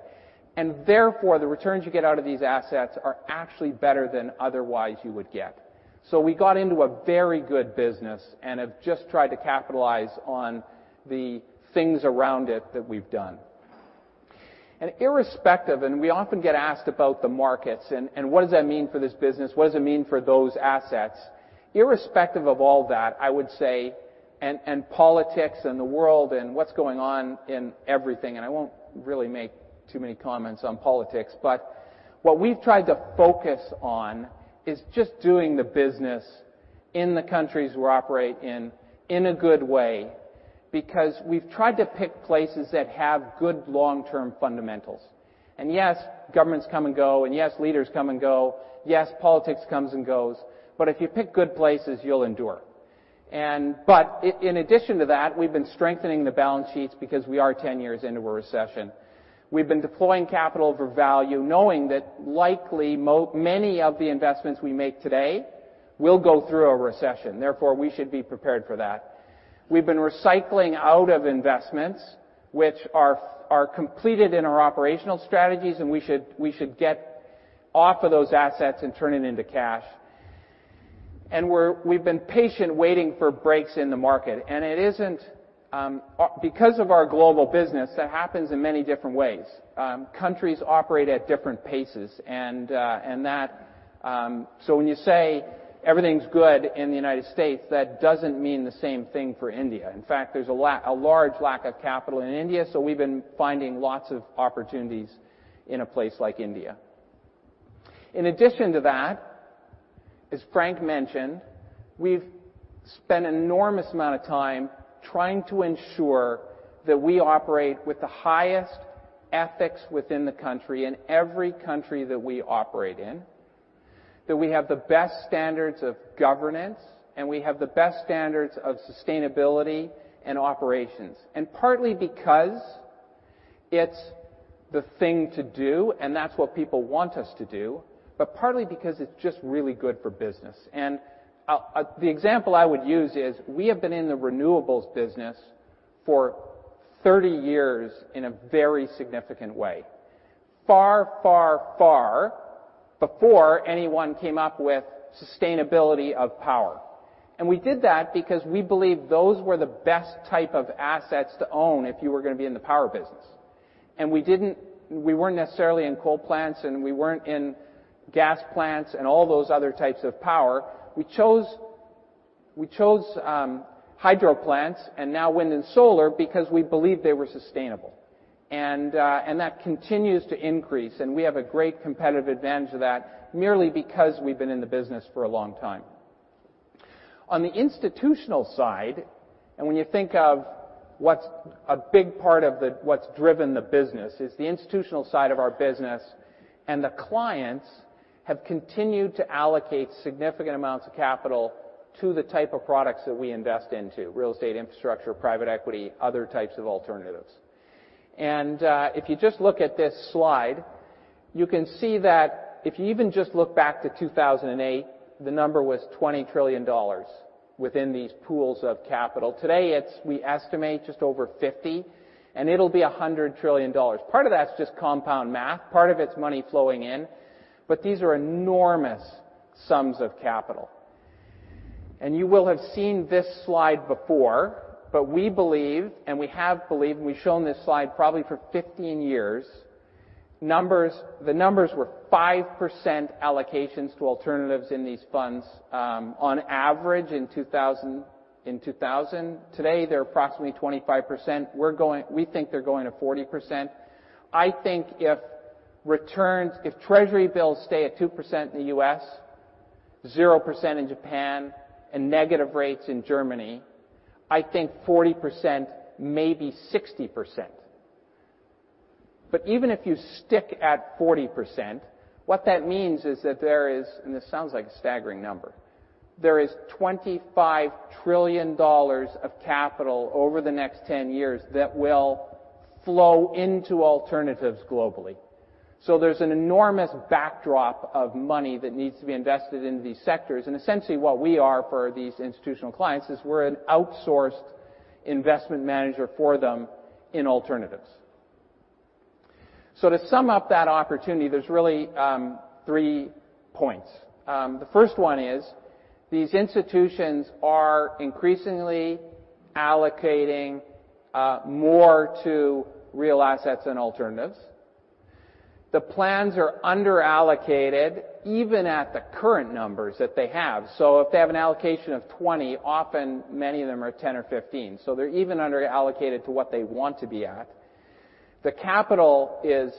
Therefore, the returns you get out of these assets are actually better than otherwise you would get. We got into a very good business and have just tried to capitalize on the things around it that we've done. Irrespective, and we often get asked about the markets, and what does that mean for this business, what does it mean for those assets? Irrespective of all that, I would say, and politics and the world and what's going on in everything, and I won't really make too many comments on politics, but what we've tried to focus on is just doing the business in the countries we operate in a good way, because we've tried to pick places that have good long-term fundamentals. Yes, governments come and go, and yes, leaders come and go, yes, politics comes and goes, but if you pick good places, you'll endure. In addition to that, we've been strengthening the balance sheets because we are 10 years into a recession. We've been deploying capital for value, knowing that likely many of the investments we make today will go through a recession. Therefore, we should be prepared for that. We've been recycling out of investments, which are completed in our operational strategies, and we should get off of those assets and turn it into cash. We've been patient waiting for breaks in the market. Because of our global business, that happens in many different ways. Countries operate at different paces. When you say everything's good in the United States, that doesn't mean the same thing for India. In fact, there's a large lack of capital in India, we've been finding lots of opportunities in a place like India. In addition to that, as Frank mentioned, we've spent an enormous amount of time trying to ensure that we operate with the highest ethics within the country, in every country that we operate in, that we have the best standards of governance, and we have the best standards of sustainability and operations. Partly because it's the thing to do, and that's what people want us to do, but partly because it's just really good for business. The example I would use is we have been in the renewables business for 30 years in a very significant way, far, far, far before anyone came up with sustainability of power. We did that because we believed those were the best type of assets to own if you were going to be in the power business. We weren't necessarily in coal plants, and we weren't in gas plants, and all those other types of power. We chose hydro plants and now wind and solar because we believed they were sustainable. That continues to increase, and we have a great competitive advantage of that merely because we've been in the business for a long time. On the institutional side, and when you think of what's a big part of what's driven the business is the institutional side of our business, and the clients have continued to allocate significant amounts of capital to the type of products that we invest into, real estate, infrastructure, private equity, other types of alternatives. If you just look at this slide, you can see that if you even just look back to 2008, the number was $20 trillion within these pools of capital. Today, we estimate just over $50 trillion, and it'll be $100 trillion. Part of that's just compound math. Part of it's money flowing in. These are enormous sums of capital. You will have seen this slide before, but we believe, and we have believed, and we've shown this slide probably for 15 years, the numbers were 5% allocations to alternatives in these funds on average in 2000. Today, they're approximately 25%. We think they're going to 40%. I think if treasury bills stay at 2% in the U.S., 0% in Japan, and negative rates in Germany, I think 40%, maybe 60%. Even if you stick at 40%, what that means is that there is, and this sounds like a staggering number, there is $25 trillion of capital over the next 10 years that will flow into alternatives globally. There's an enormous backdrop of money that needs to be invested in these sectors. Essentially what we are for these institutional clients is we're an outsourced investment manager for them in alternatives. To sum up that opportunity, there's really three points. The first one is these institutions are increasingly allocating more to real assets and alternatives. The plans are under-allocated even at the current numbers that they have. If they have an allocation of 20, often many of them are 10 or 15. They're even under-allocated to what they want to be at. The capital is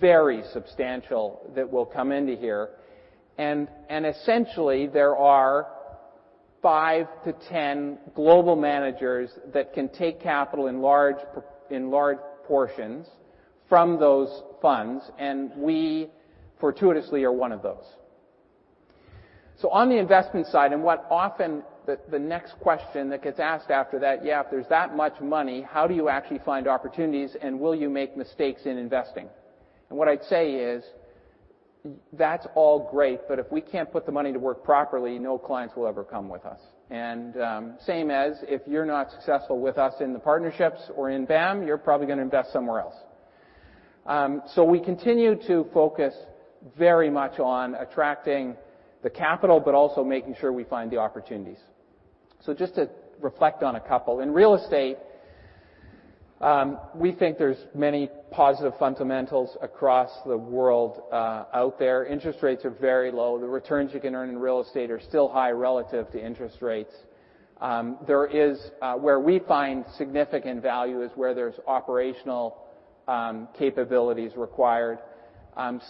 very substantial that will come into here. Essentially, there are 5 to 10 global managers that can take capital in large portions from those funds, and we fortuitously are one of those. On the investment side, what often the next question that gets asked after that, yeah, if there's that much money, how do you actually find opportunities, and will you make mistakes in investing? What I'd say is, that's all great, but if we can't put the money to work properly, no clients will ever come with us. Same as if you're not successful with us in the partnerships or in BAM, you're probably going to invest somewhere else. We continue to focus very much on attracting the capital, but also making sure we find the opportunities. Just to reflect on a couple. In real estate, we think there's many positive fundamentals across the world out there. Interest rates are very low. The returns you can earn in real estate are still high relative to interest rates. Where we find significant value is where there's operational capabilities required.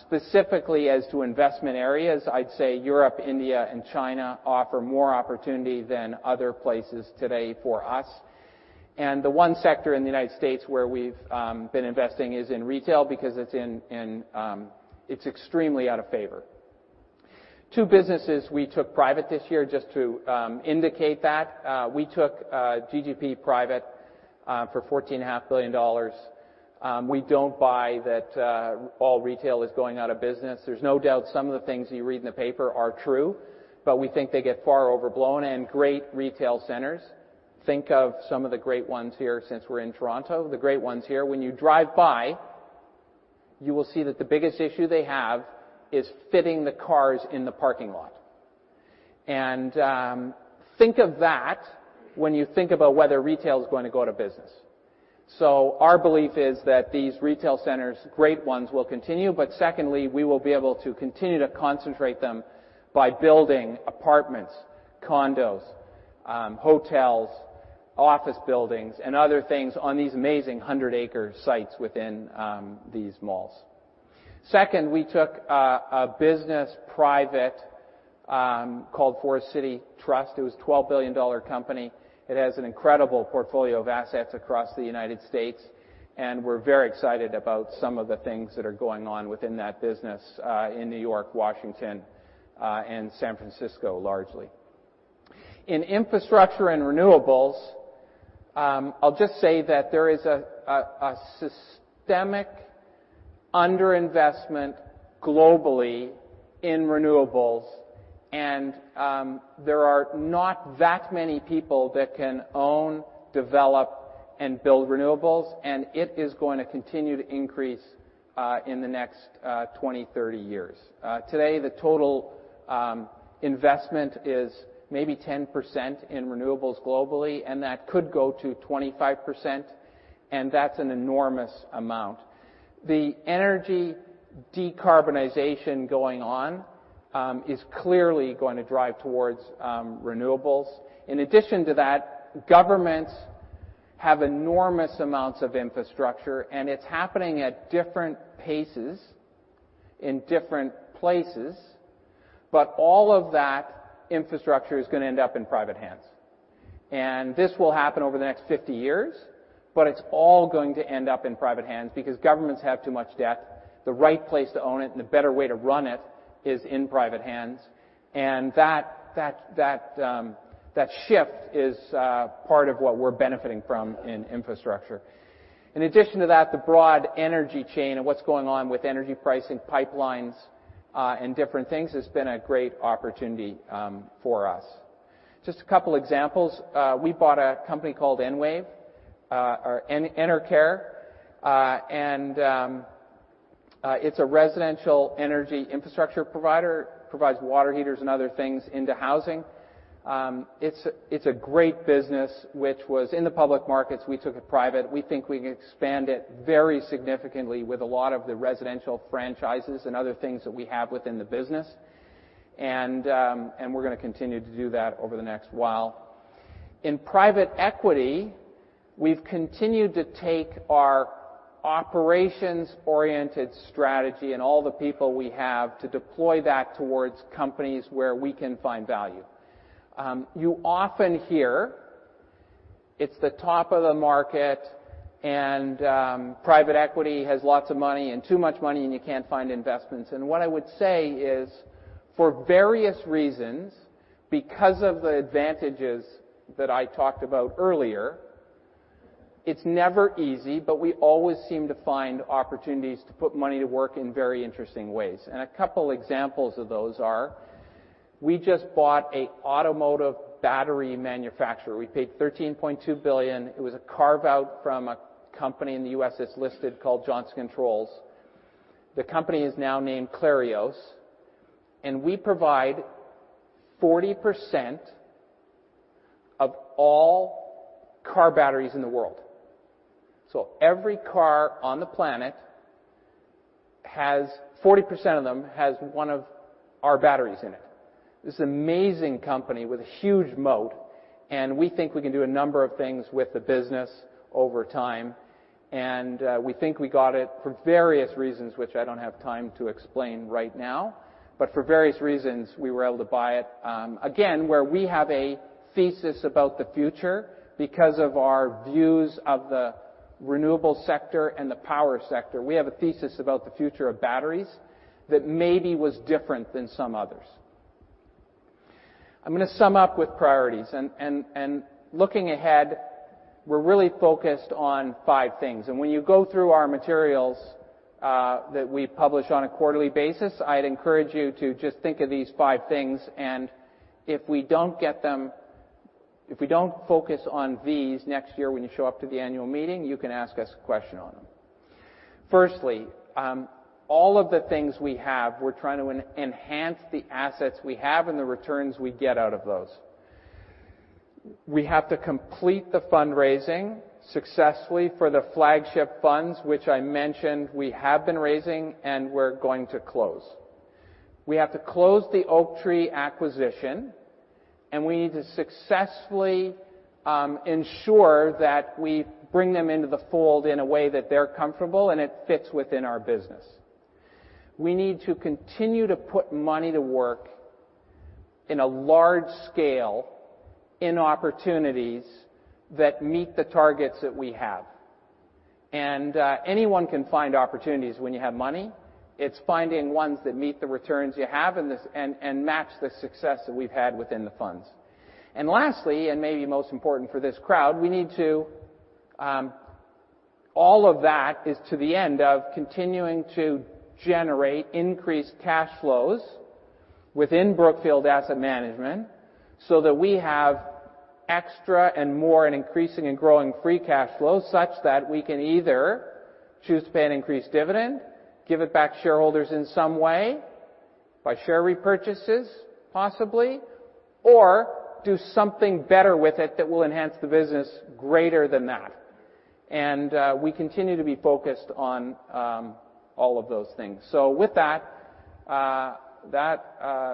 Specifically as to investment areas, I'd say Europe, India, and China offer more opportunity than other places today for us. The one sector in the U.S. where we've been investing is in retail because it's extremely out of favor. Two businesses we took private this year just to indicate that. We took GGP private for $14.5 billion. We don't buy that all retail is going out of business. There's no doubt some of the things you read in the paper are true, but we think they get far overblown and great retail centers. Think of some of the great ones here since we're in Toronto. The great ones here, when you drive by, you will see that the biggest issue they have is fitting the cars in the parking lot. Think of that when you think about whether retail is going to go out of business. Our belief is that these retail centers, great ones will continue, but secondly, we will be able to continue to concentrate them by building apartments, condos, hotels, office buildings, and other things on these amazing 100-acre sites within these malls. Second, we took a business private, called Forest City Trust. It was a $12 billion company. It has an incredible portfolio of assets across the U.S., and we're very excited about some of the things that are going on within that business, in New York, Washington, and San Francisco, largely. In infrastructure and renewables, I'll just say that there is a systemic under-investment globally in renewables and there are not that many people that can own, develop, and build renewables. It is going to continue to increase in the next 20, 30 years. Today, the total investment is maybe 10% in renewables globally, that could go to 25%, and that's an enormous amount. The energy decarbonization going on is clearly going to drive towards renewables. In addition to that, governments have enormous amounts of infrastructure, and it's happening at different paces in different places, but all of that infrastructure is going to end up in private hands. This will happen over the next 50 years, but it's all going to end up in private hands because governments have too much debt. The right place to own it and the better way to run it is in private hands. That shift is part of what we are benefiting from in infrastructure. In addition to that, the broad energy chain and what is going on with energy pricing pipelines and different things has been a great opportunity for us. Just a couple of examples. We bought a company called Enwave or Enercare. It is a residential energy infrastructure provider. It provides water heaters and other things in the housing. It is a great business that was in the public markets. We took it private. We think we can expand it very significantly with a lot of the residential franchises and other things that we have within the business. We are going to continue to do that over the next while. In private equity, we have continued to take our operations-oriented strategy and all the people we have to deploy that towards companies where we can find value. You often hear it is the top of the market and private equity has lots of money and too much money, and you cannot find investments. What I would say is, for various reasons, because of the advantages that I talked about earlier, it is never easy, but we always seem to find opportunities to put money to work in very interesting ways. A couple examples of those are we just bought an automotive battery manufacturer. We paid 13.2 billion. It was a carve-out from a company in the U.S. that is listed called Johnson Controls. The company is now named Clarios. We provide 40% of all car batteries in the world. Every car on the planet, 40% of them have one of our batteries in it. This amazing company with a huge moat. We think we can do a number of things with the business over time. We think we got it for various reasons, which I do not have time to explain right now, but for various reasons, we were able to buy it. Again, where we have a thesis about the future because of our views of the renewable sector and the power sector. We have a thesis about the future of batteries that maybe was different than some others. I am going to sum up with priorities. Looking ahead, we are really focused on five things. When you go through our materials that we publish on a quarterly basis, I would encourage you to just think of these five things. If we do not get them, if we do not focus on these next year when you show up to the annual meeting, you can ask us a question on them. Firstly, all of the things we have, we are trying to enhance the assets we have and the returns we get out of those. We have to complete the fundraising successfully for the flagship funds, which I mentioned we have been raising. We are going to close. We have to close the Oaktree acquisition. We need to successfully ensure that we bring them into the fold in a way that they are comfortable and it fits within our business. We need to continue to put money to work on a large scale in opportunities that meet the targets that we have. Anyone can find opportunities when you have money. It's finding ones that meet the returns you have, and match the success that we've had within the funds. Lastly, and maybe most important for this crowd, all of that is to the end of continuing to generate increased cash flows within Brookfield Asset Management, so that we have extra and more and increasing and growing free cash flows, such that we can either choose to pay an increased dividend, give it back to shareholders in some way, by share repurchases possibly, or do something better with it that will enhance the business greater than that. We continue to be focused on all of those things. With that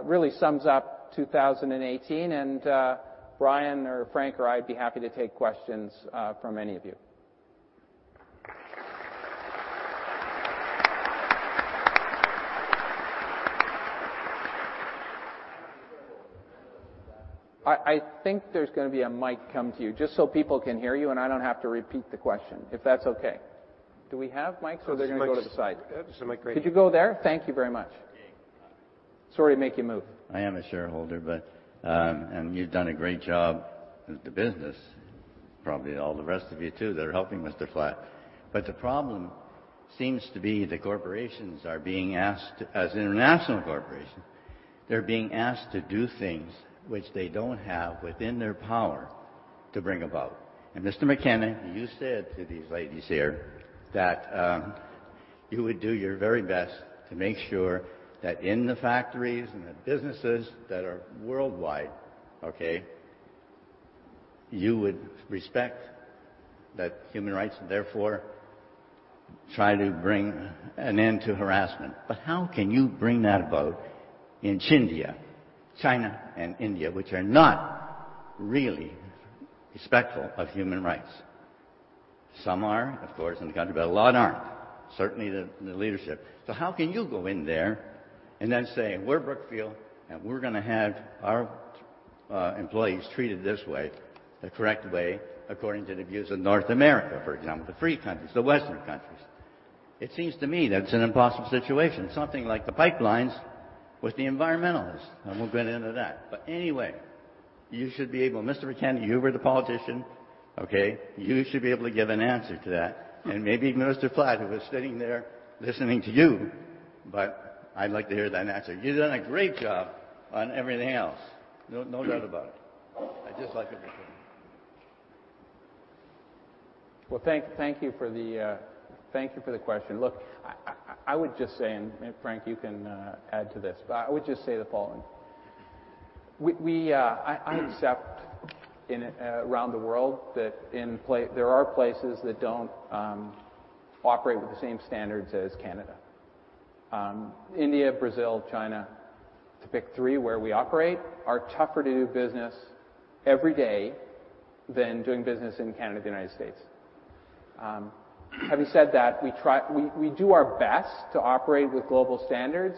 really sums up 2018 and Brian or Frank or I'd be happy to take questions from any of you. I think there's going to be a mic come to you. Just so people can hear you, and I don't have to repeat the question, if that's okay. Do we have mics? They're going to go to the side. There's a mic right here. Could you go there? Thank you very much. Sorry to make you move. I am a shareholder. You've done a great job with the business. Probably all the rest of you, too, that are helping, Mr. Flatt. The problem seems to be the corporations are being asked, as an international corporation, they're being asked to do things which they don't have within their power to bring about. Mr. McKenna, you said to these ladies here that you would do your very best to make sure that in the factories and the businesses that are worldwide, okay, you would respect the human rights and therefore try to bring an end to harassment. How can you bring that about in Chindia, China and India, which are not really respectful of human rights? Some are, of course, in the country, but a lot aren't. Certainly the leadership. How can you go in there and then say, "We're Brookfield, and we're going to have our employees treated this way," the correct way, according to the views of North America, for example, the free countries, the Western countries. It seems to me that it's an impossible situation. Something like the pipelines with the environmentalists. We'll get into that. Anyway, you should be able, Mr. McKenna, you were the politician, okay, you should be able to give an answer to that. Maybe Mr. Flatt, who was sitting there listening to you, but I'd like to hear that answer. You've done a great job on everything else, no doubt about it. I'd just like an answer. Thank you for the question. Look, I would just say, Frank, you can add to this. I would just say the following. I accept around the world that there are places that don't operate with the same standards as Canada. India, Brazil, China, to pick three where we operate, are tougher to do business every day than doing business in Canada, the United States. Having said that, we do our best to operate with global standards.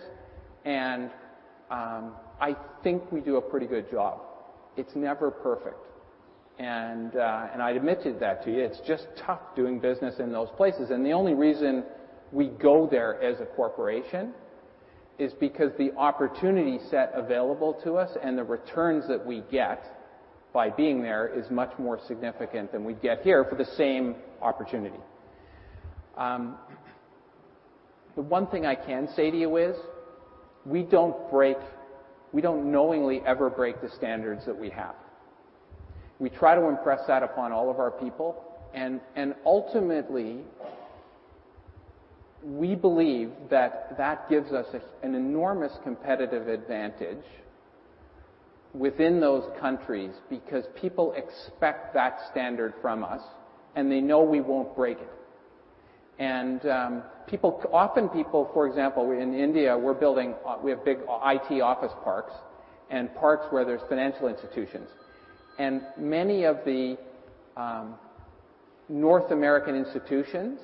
I think we do a pretty good job. It's never perfect. I admitted that to you. It's just tough doing business in those places. The only reason we go there as a corporation is because the opportunity set available to us and the returns that we get by being there is much more significant than we'd get here for the same opportunity. The one thing I can say to you is we don't knowingly ever break the standards that we have. We try to impress that upon all of our people. Ultimately, we believe that that gives us an enormous competitive advantage within those countries because people expect that standard from us. They know we won't break it. Often people, for example, in India, we have big IT office parks and parks where there's financial institutions. Many of the North American institutions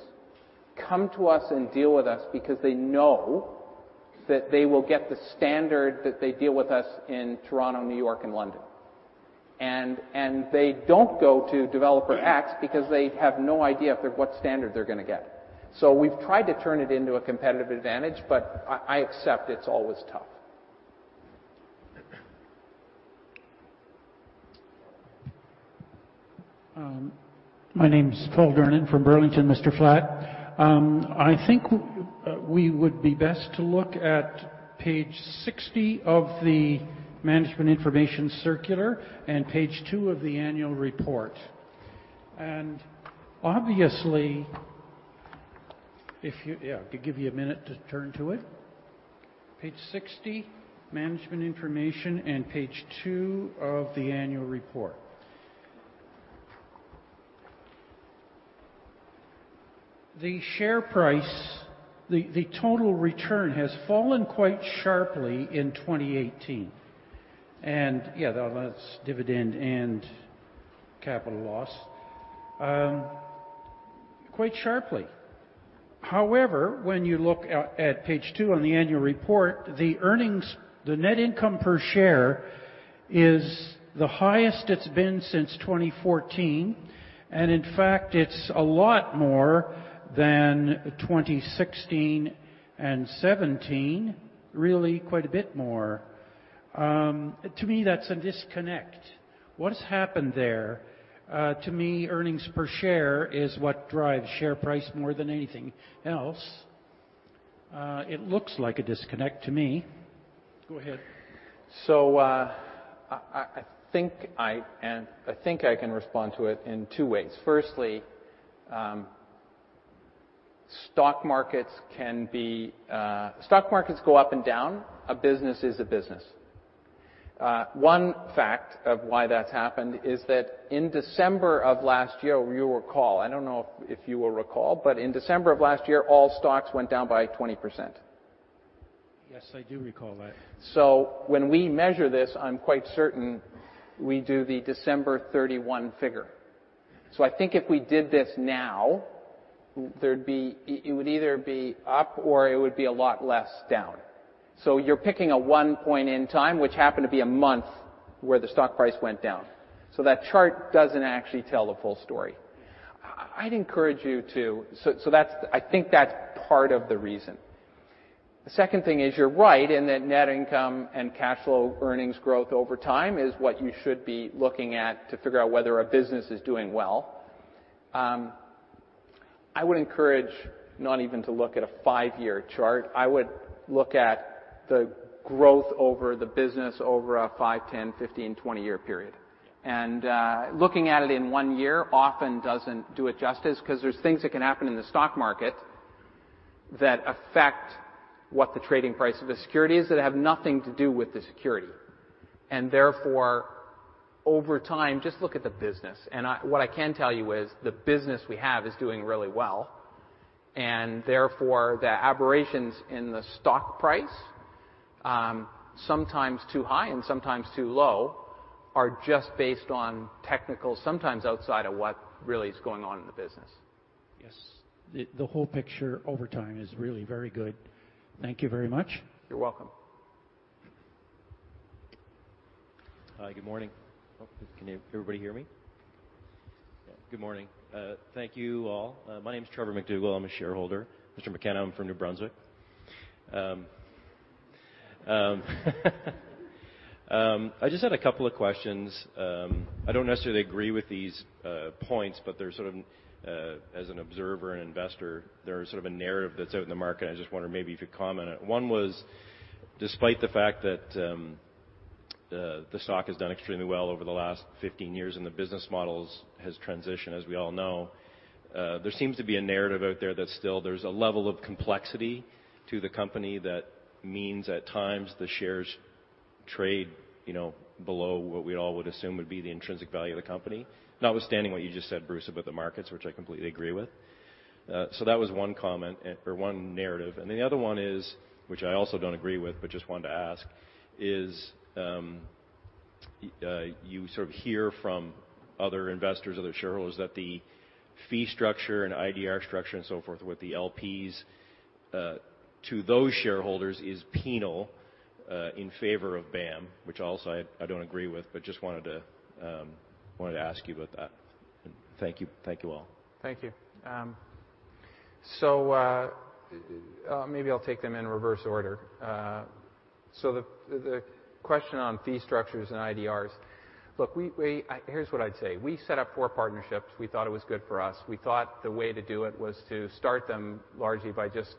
come to us and deal with us because they know that they will get the standard that they deal with us in Toronto, New York, and London. They don't go to developer X because they have no idea what standard they're going to get. We've tried to turn it into a competitive advantage, but I accept it's always tough. My name's Phil Durnin from Burlington, Mr. Flatt. I think we would be best to look at page 60 of the Management Information Circular and page two of the annual report. Obviously, if you, yeah, I'll give you a minute to turn to it. Page 60, Management Information, page two of the annual report. The share price, the total return, has fallen quite sharply in 2018. Yeah, that's dividend and capital loss. Quite sharply. When you look at page two on the annual report, the net income per share is the highest it's been since 2014. In fact, it's a lot more than 2016 and 2017, really quite a bit more. To me, that's a disconnect. What has happened there? To me, earnings per share is what drives share price more than anything else. It looks like a disconnect to me. Go ahead. I think I can respond to it in two ways. Firstly, stock markets go up and down. A business is a business. One fact of why that's happened is that in December of last year, you will recall, I don't know if you will recall, in December of last year, all stocks went down by 20%. Yes, I do recall that. When we measure this, I'm quite certain we do the December 31 figure. I think if we did this now, it would either be up or it would be a lot less down. You're picking a one point in time, which happened to be a month, where the stock price went down. That chart doesn't actually tell the full story. I think that's part of the reason. The second thing is, you're right in that net income and cash flow earnings growth over time is what you should be looking at to figure out whether a business is doing well. I would encourage not even to look at a five-year chart. I would look at the growth over the business over a five, 10, 15, 20-year period. Yeah. Looking at it in one year often doesn't do it justice because there's things that can happen in the stock market that affect what the trading price of a security is that have nothing to do with the security. Therefore, over time, just look at the business. What I can tell you is the business we have is doing really well, and therefore the aberrations in the stock price, sometimes too high and sometimes too low, are just based on technical, sometimes outside of what really is going on in the business. Yes. The whole picture over time is really very good. Thank you very much. You're welcome. Hi. Good morning. Can everybody hear me? Yeah. Good morning. Thank you all. My name's Trevor McDougall. I'm a shareholder. Mr. McKenna, I'm from New Brunswick. I just had a couple of questions. I don't necessarily agree with these points, but as an observer and investor, they're sort of a narrative that's out in the market. I just wonder maybe if you'd comment on it. One was, despite the fact that the stock has done extremely well over the last 15 years and the business model has transitioned as we all know, there seems to be a narrative out there that still there's a level of complexity to the company that means at times the shares trade below what we all would assume would be the intrinsic value of the company, notwithstanding what you just said, Bruce, about the markets, which I completely agree with. That was one comment or one narrative. The other one is, which I also don't agree with, but just wanted to ask is, you sort of hear from other investors, other shareholders, that the fee structure and IDR structure and so forth with the LPs to those shareholders is penal in favor of BAM, which also I don't agree with, but just wanted to ask you about that. Thank you. Thank you all. Thank you. Maybe I'll take them in reverse order. The question on fee structures and IDRs. Look, here's what I'd say. We set up four partnerships. We thought it was good for us. We thought the way to do it was to start them largely by just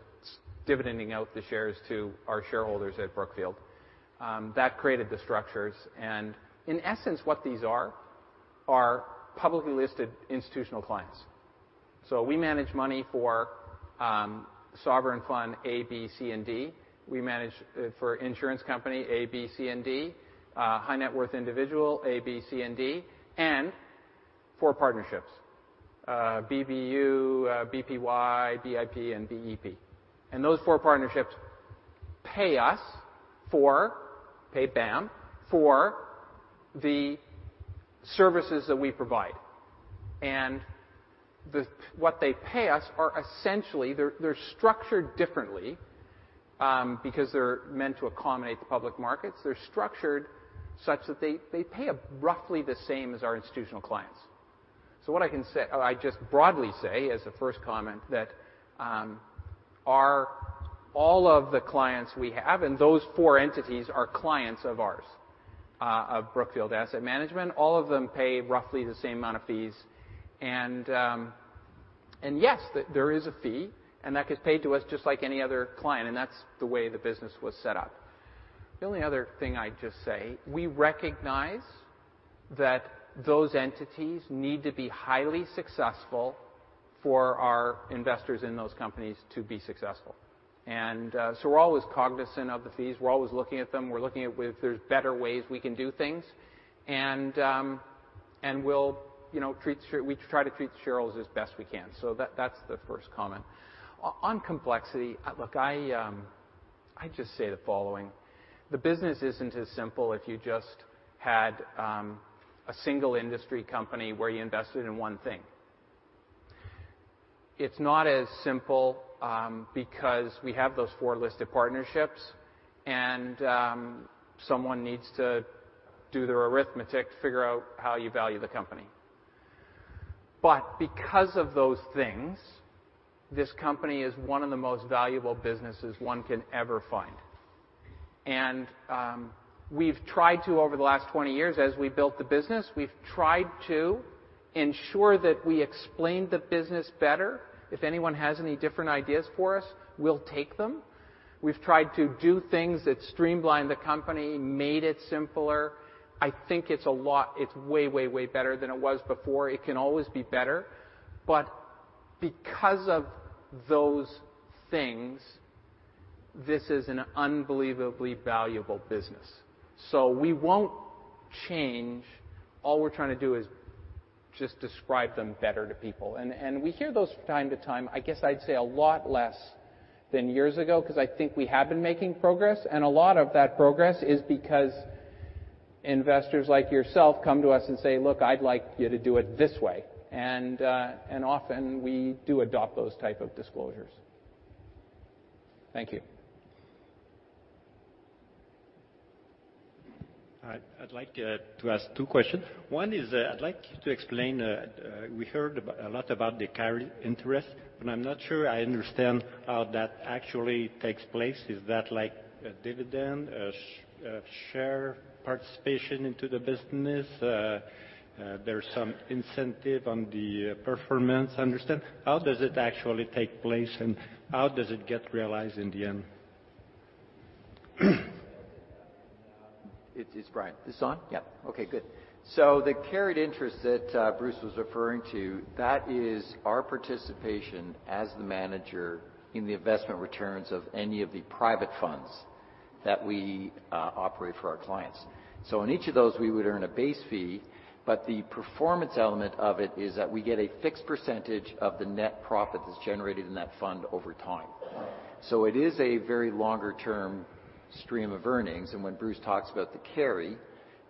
dividending out the shares to our shareholders at Brookfield. That created the structures. In essence, what these are publicly listed institutional clients. We manage money for sovereign fund A, B, C, and D. We manage for insurance company A, B, C, and D, high net worth individual A, B, C and D, and four partnerships, BBU, BPY, BIP, and BEP. Those four partnerships pay us, pay BAM, for the services that we provide. What they pay us are essentially, they're structured differently because they're meant to accommodate the public markets. They're structured such that they pay roughly the same as our institutional clients. What I can say, I just broadly say as a first comment that all of the clients we have, and those four entities are clients of ours, of Brookfield Asset Management. All of them pay roughly the same amount of fees. Yes, there is a fee, and that gets paid to us just like any other client, and that's the way the business was set up. The only other thing I'd just say, we recognize that those entities need to be highly successful for our investors in those companies to be successful. We're always cognizant of the fees. We're always looking at them. We're looking at if there's better ways we can do things. We try to treat the shareholders as best we can. That's the first comment. On complexity, look, I'd just say the following. The business isn't as simple if you just had a single industry company where you invested in one thing. It's not as simple because we have those four listed partnerships, someone needs to do their arithmetic to figure out how you value the company. Because of those things, this company is one of the most valuable businesses one can ever find. We've tried to over the last 20 years, as we built the business, we've tried to ensure that we explained the business better. If anyone has any different ideas for us, we'll take them. We've tried to do things that streamline the company, made it simpler. I think it's way better than it was before. It can always be better. Because of those things, this is an unbelievably valuable business. We won't change. All we're trying to do is just describe them better to people. We hear those from time to time. I guess I'd say a lot less than years ago because I think we have been making progress, a lot of that progress is because investors like yourself come to us and say, "Look, I'd like you to do it this way." Often we do adopt those type of disclosures. Thank you. I'd like to ask two questions. One is, I'd like you to explain, we heard a lot about the carried interest, I'm not sure I understand how that actually takes place. Is that like a dividend, a share participation into the business? There's some incentive on the performance. Understand how does it actually take place, how does it get realized in the end? It's Brian. This on? Yeah. Okay, good. The carried interest that Bruce was referring to, that is our participation as the manager in the investment returns of any of the private funds that we operate for our clients. In each of those, we would earn a base fee, but the performance element of it is that we get a fixed percentage of the net profit that's generated in that fund over time. It is a very longer-term stream of earnings. When Bruce talks about the carry,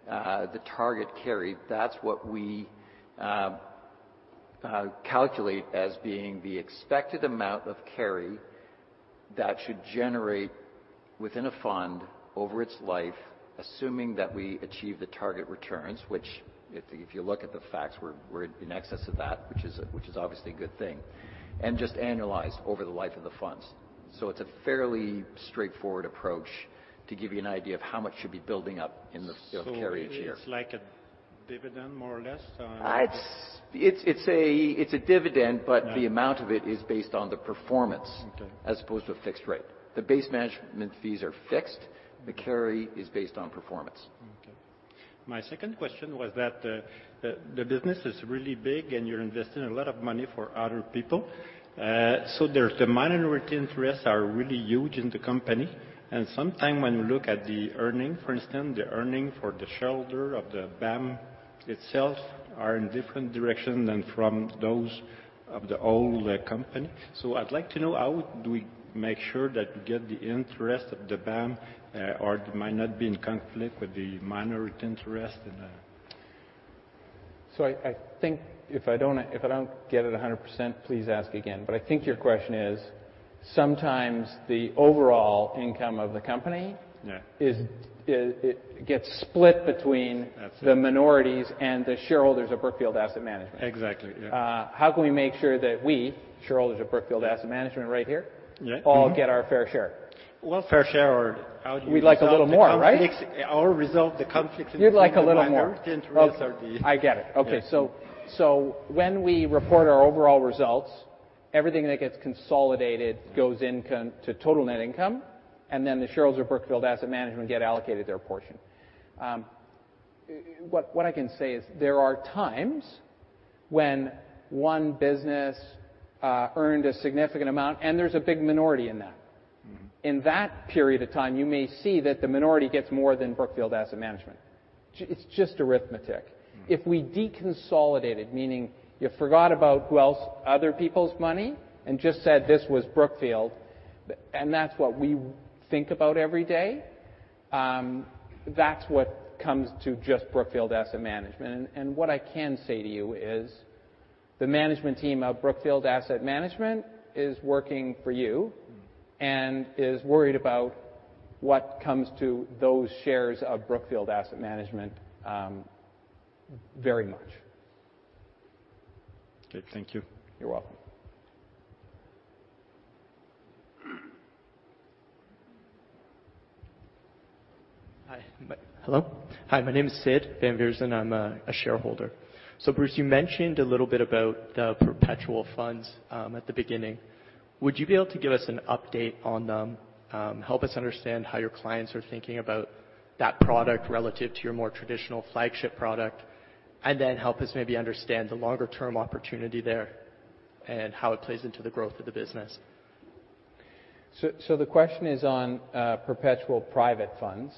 the target carry, that's what we calculate as being the expected amount of carry that should generate within a fund over its life, assuming that we achieve the target returns. Which, if you look at the facts, we're in excess of that, which is obviously a good thing, and just annualized over the life of the funds. It's a fairly straightforward approach to give you an idea of how much should be building up in the carry each year. It's like a dividend, more or less? It's a dividend, but the amount of it is based on the performance- Okay as opposed to a fixed rate. The base management fees are fixed. The carry is based on performance. My second question was that the business is really big, you're investing a lot of money for other people. There, the minority interests are really huge in the company. Sometime when you look at the earnings, for instance, the earnings for the shareholder of the BAM itself are in different direction than from those of the whole company. I'd like to know, how do we make sure that we get the interest of the BAM or it might not be in conflict with the minority interest in the I think if I don't get it 100%, please ask again. I think your question is, sometimes the overall income of the company- Yeah gets split between- That's it. the minorities and the shareholders of Brookfield Asset Management. Exactly. Yeah. How can we make sure that we, shareholders of Brookfield Asset Management? Yeah. Mm-hmm all get our fair share? Well, fair share or how do you resolve the conflict? We'd like a little more, right? resolve the conflict between. You'd like a little more. the minority interest or the. Okay. I get it. Okay. Yeah. When we report our overall results, everything that gets consolidated goes into total net income, and then the shareholders of Brookfield Asset Management get allocated their portion. What I can say is there are times when one business earned a significant amount, and there's a big minority in that. In that period of time, you may see that the minority gets more than Brookfield Asset Management. It's just arithmetic. If we deconsolidated, meaning you forgot about other people's money and just said this was Brookfield, and that's what we think about every day, that's what comes to just Brookfield Asset Management. What I can say to you is the management team of Brookfield Asset Management is working for you. Is worried about what comes to those shares of Brookfield Asset Management very much. Okay. Thank you. You're welcome. Hi. Hello. Hi, my name is Sid Vanveersen. I'm a shareholder. Bruce, you mentioned a little bit about the perpetual funds at the beginning. Would you be able to give us an update on them, help us understand how your clients are thinking about that product relative to your more traditional flagship product, and then help us maybe understand the longer-term opportunity there and how it plays into the growth of the business? The question is on perpetual private funds.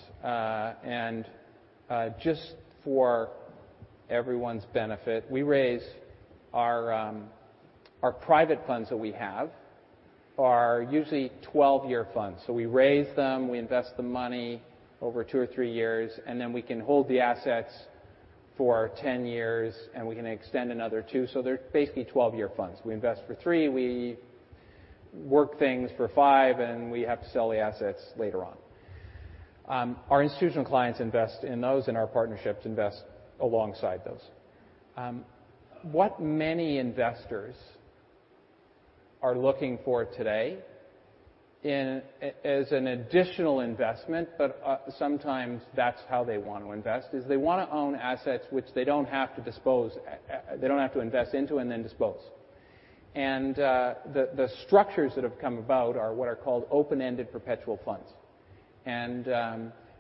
Just for everyone's benefit. We raise our private funds that we have are usually 12-year funds. We raise them, we invest the money over two or three years, and then we can hold the assets for 10 years, and we can extend another two. They're basically 12-year funds. We invest for three, we work things for five, and we have to sell the assets later on. Our institutional clients invest in those, and our partnerships invest alongside those. What many investors are looking for today as an additional investment, but sometimes that's how they want to invest, is they want to own assets which they don't have to invest into and then dispose. The structures that have come about are what are called open-ended perpetual funds.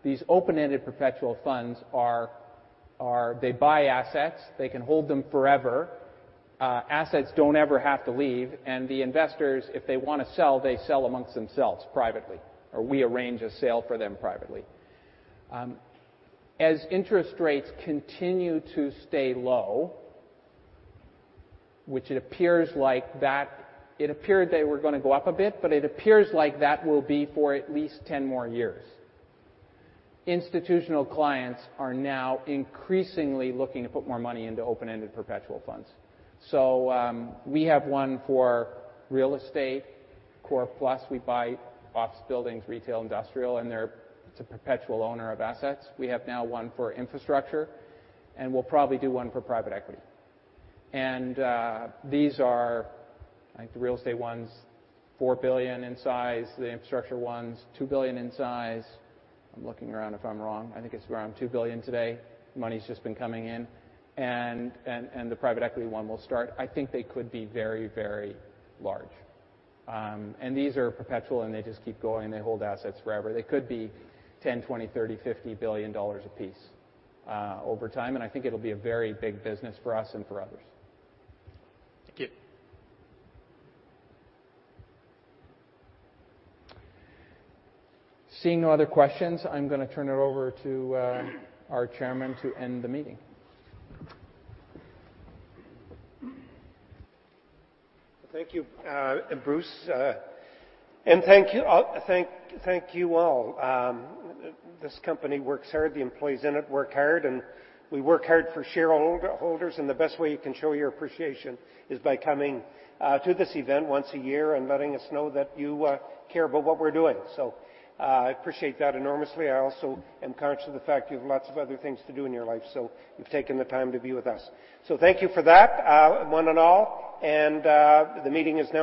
These open-ended perpetual funds, they buy assets, they can hold them forever. Assets don't ever have to leave. The investors, if they want to sell, they sell amongst themselves privately, or we arrange a sale for them privately. As interest rates continue to stay low, which it appeared they were going to go up a bit, but it appears like that will be for at least 10 more years. Institutional clients are now increasingly looking to put more money into open-ended perpetual funds. We have one for real estate, Core-plus. We buy office buildings, retail, industrial, and it's a perpetual owner of assets. We have now one for infrastructure. We'll probably do one for private equity. These, I think the real estate one's 4 billion in size. The infrastructure one's 2 billion in size. I'm looking around if I'm wrong. I think it's around 2 billion today. Money's just been coming in. The private equity one will start. I think they could be very large. These are perpetual. They just keep going. They hold assets forever. They could be 10 billion, 20 billion, 30 billion, 50 billion dollars apiece over time. I think it'll be a very big business for us and for others. Thank you. Seeing no other questions, I'm going to turn it over to our chairman to end the meeting. Thank you, Bruce. Thank you all. This company works hard. The employees in it work hard, and we work hard for shareholders, and the best way you can show your appreciation is by coming to this event once a year and letting us know that you care about what we're doing. I appreciate that enormously. I also am conscious of the fact you have lots of other things to do in your life, so you've taken the time to be with us. Thank you for that, one and all, and the meeting is now.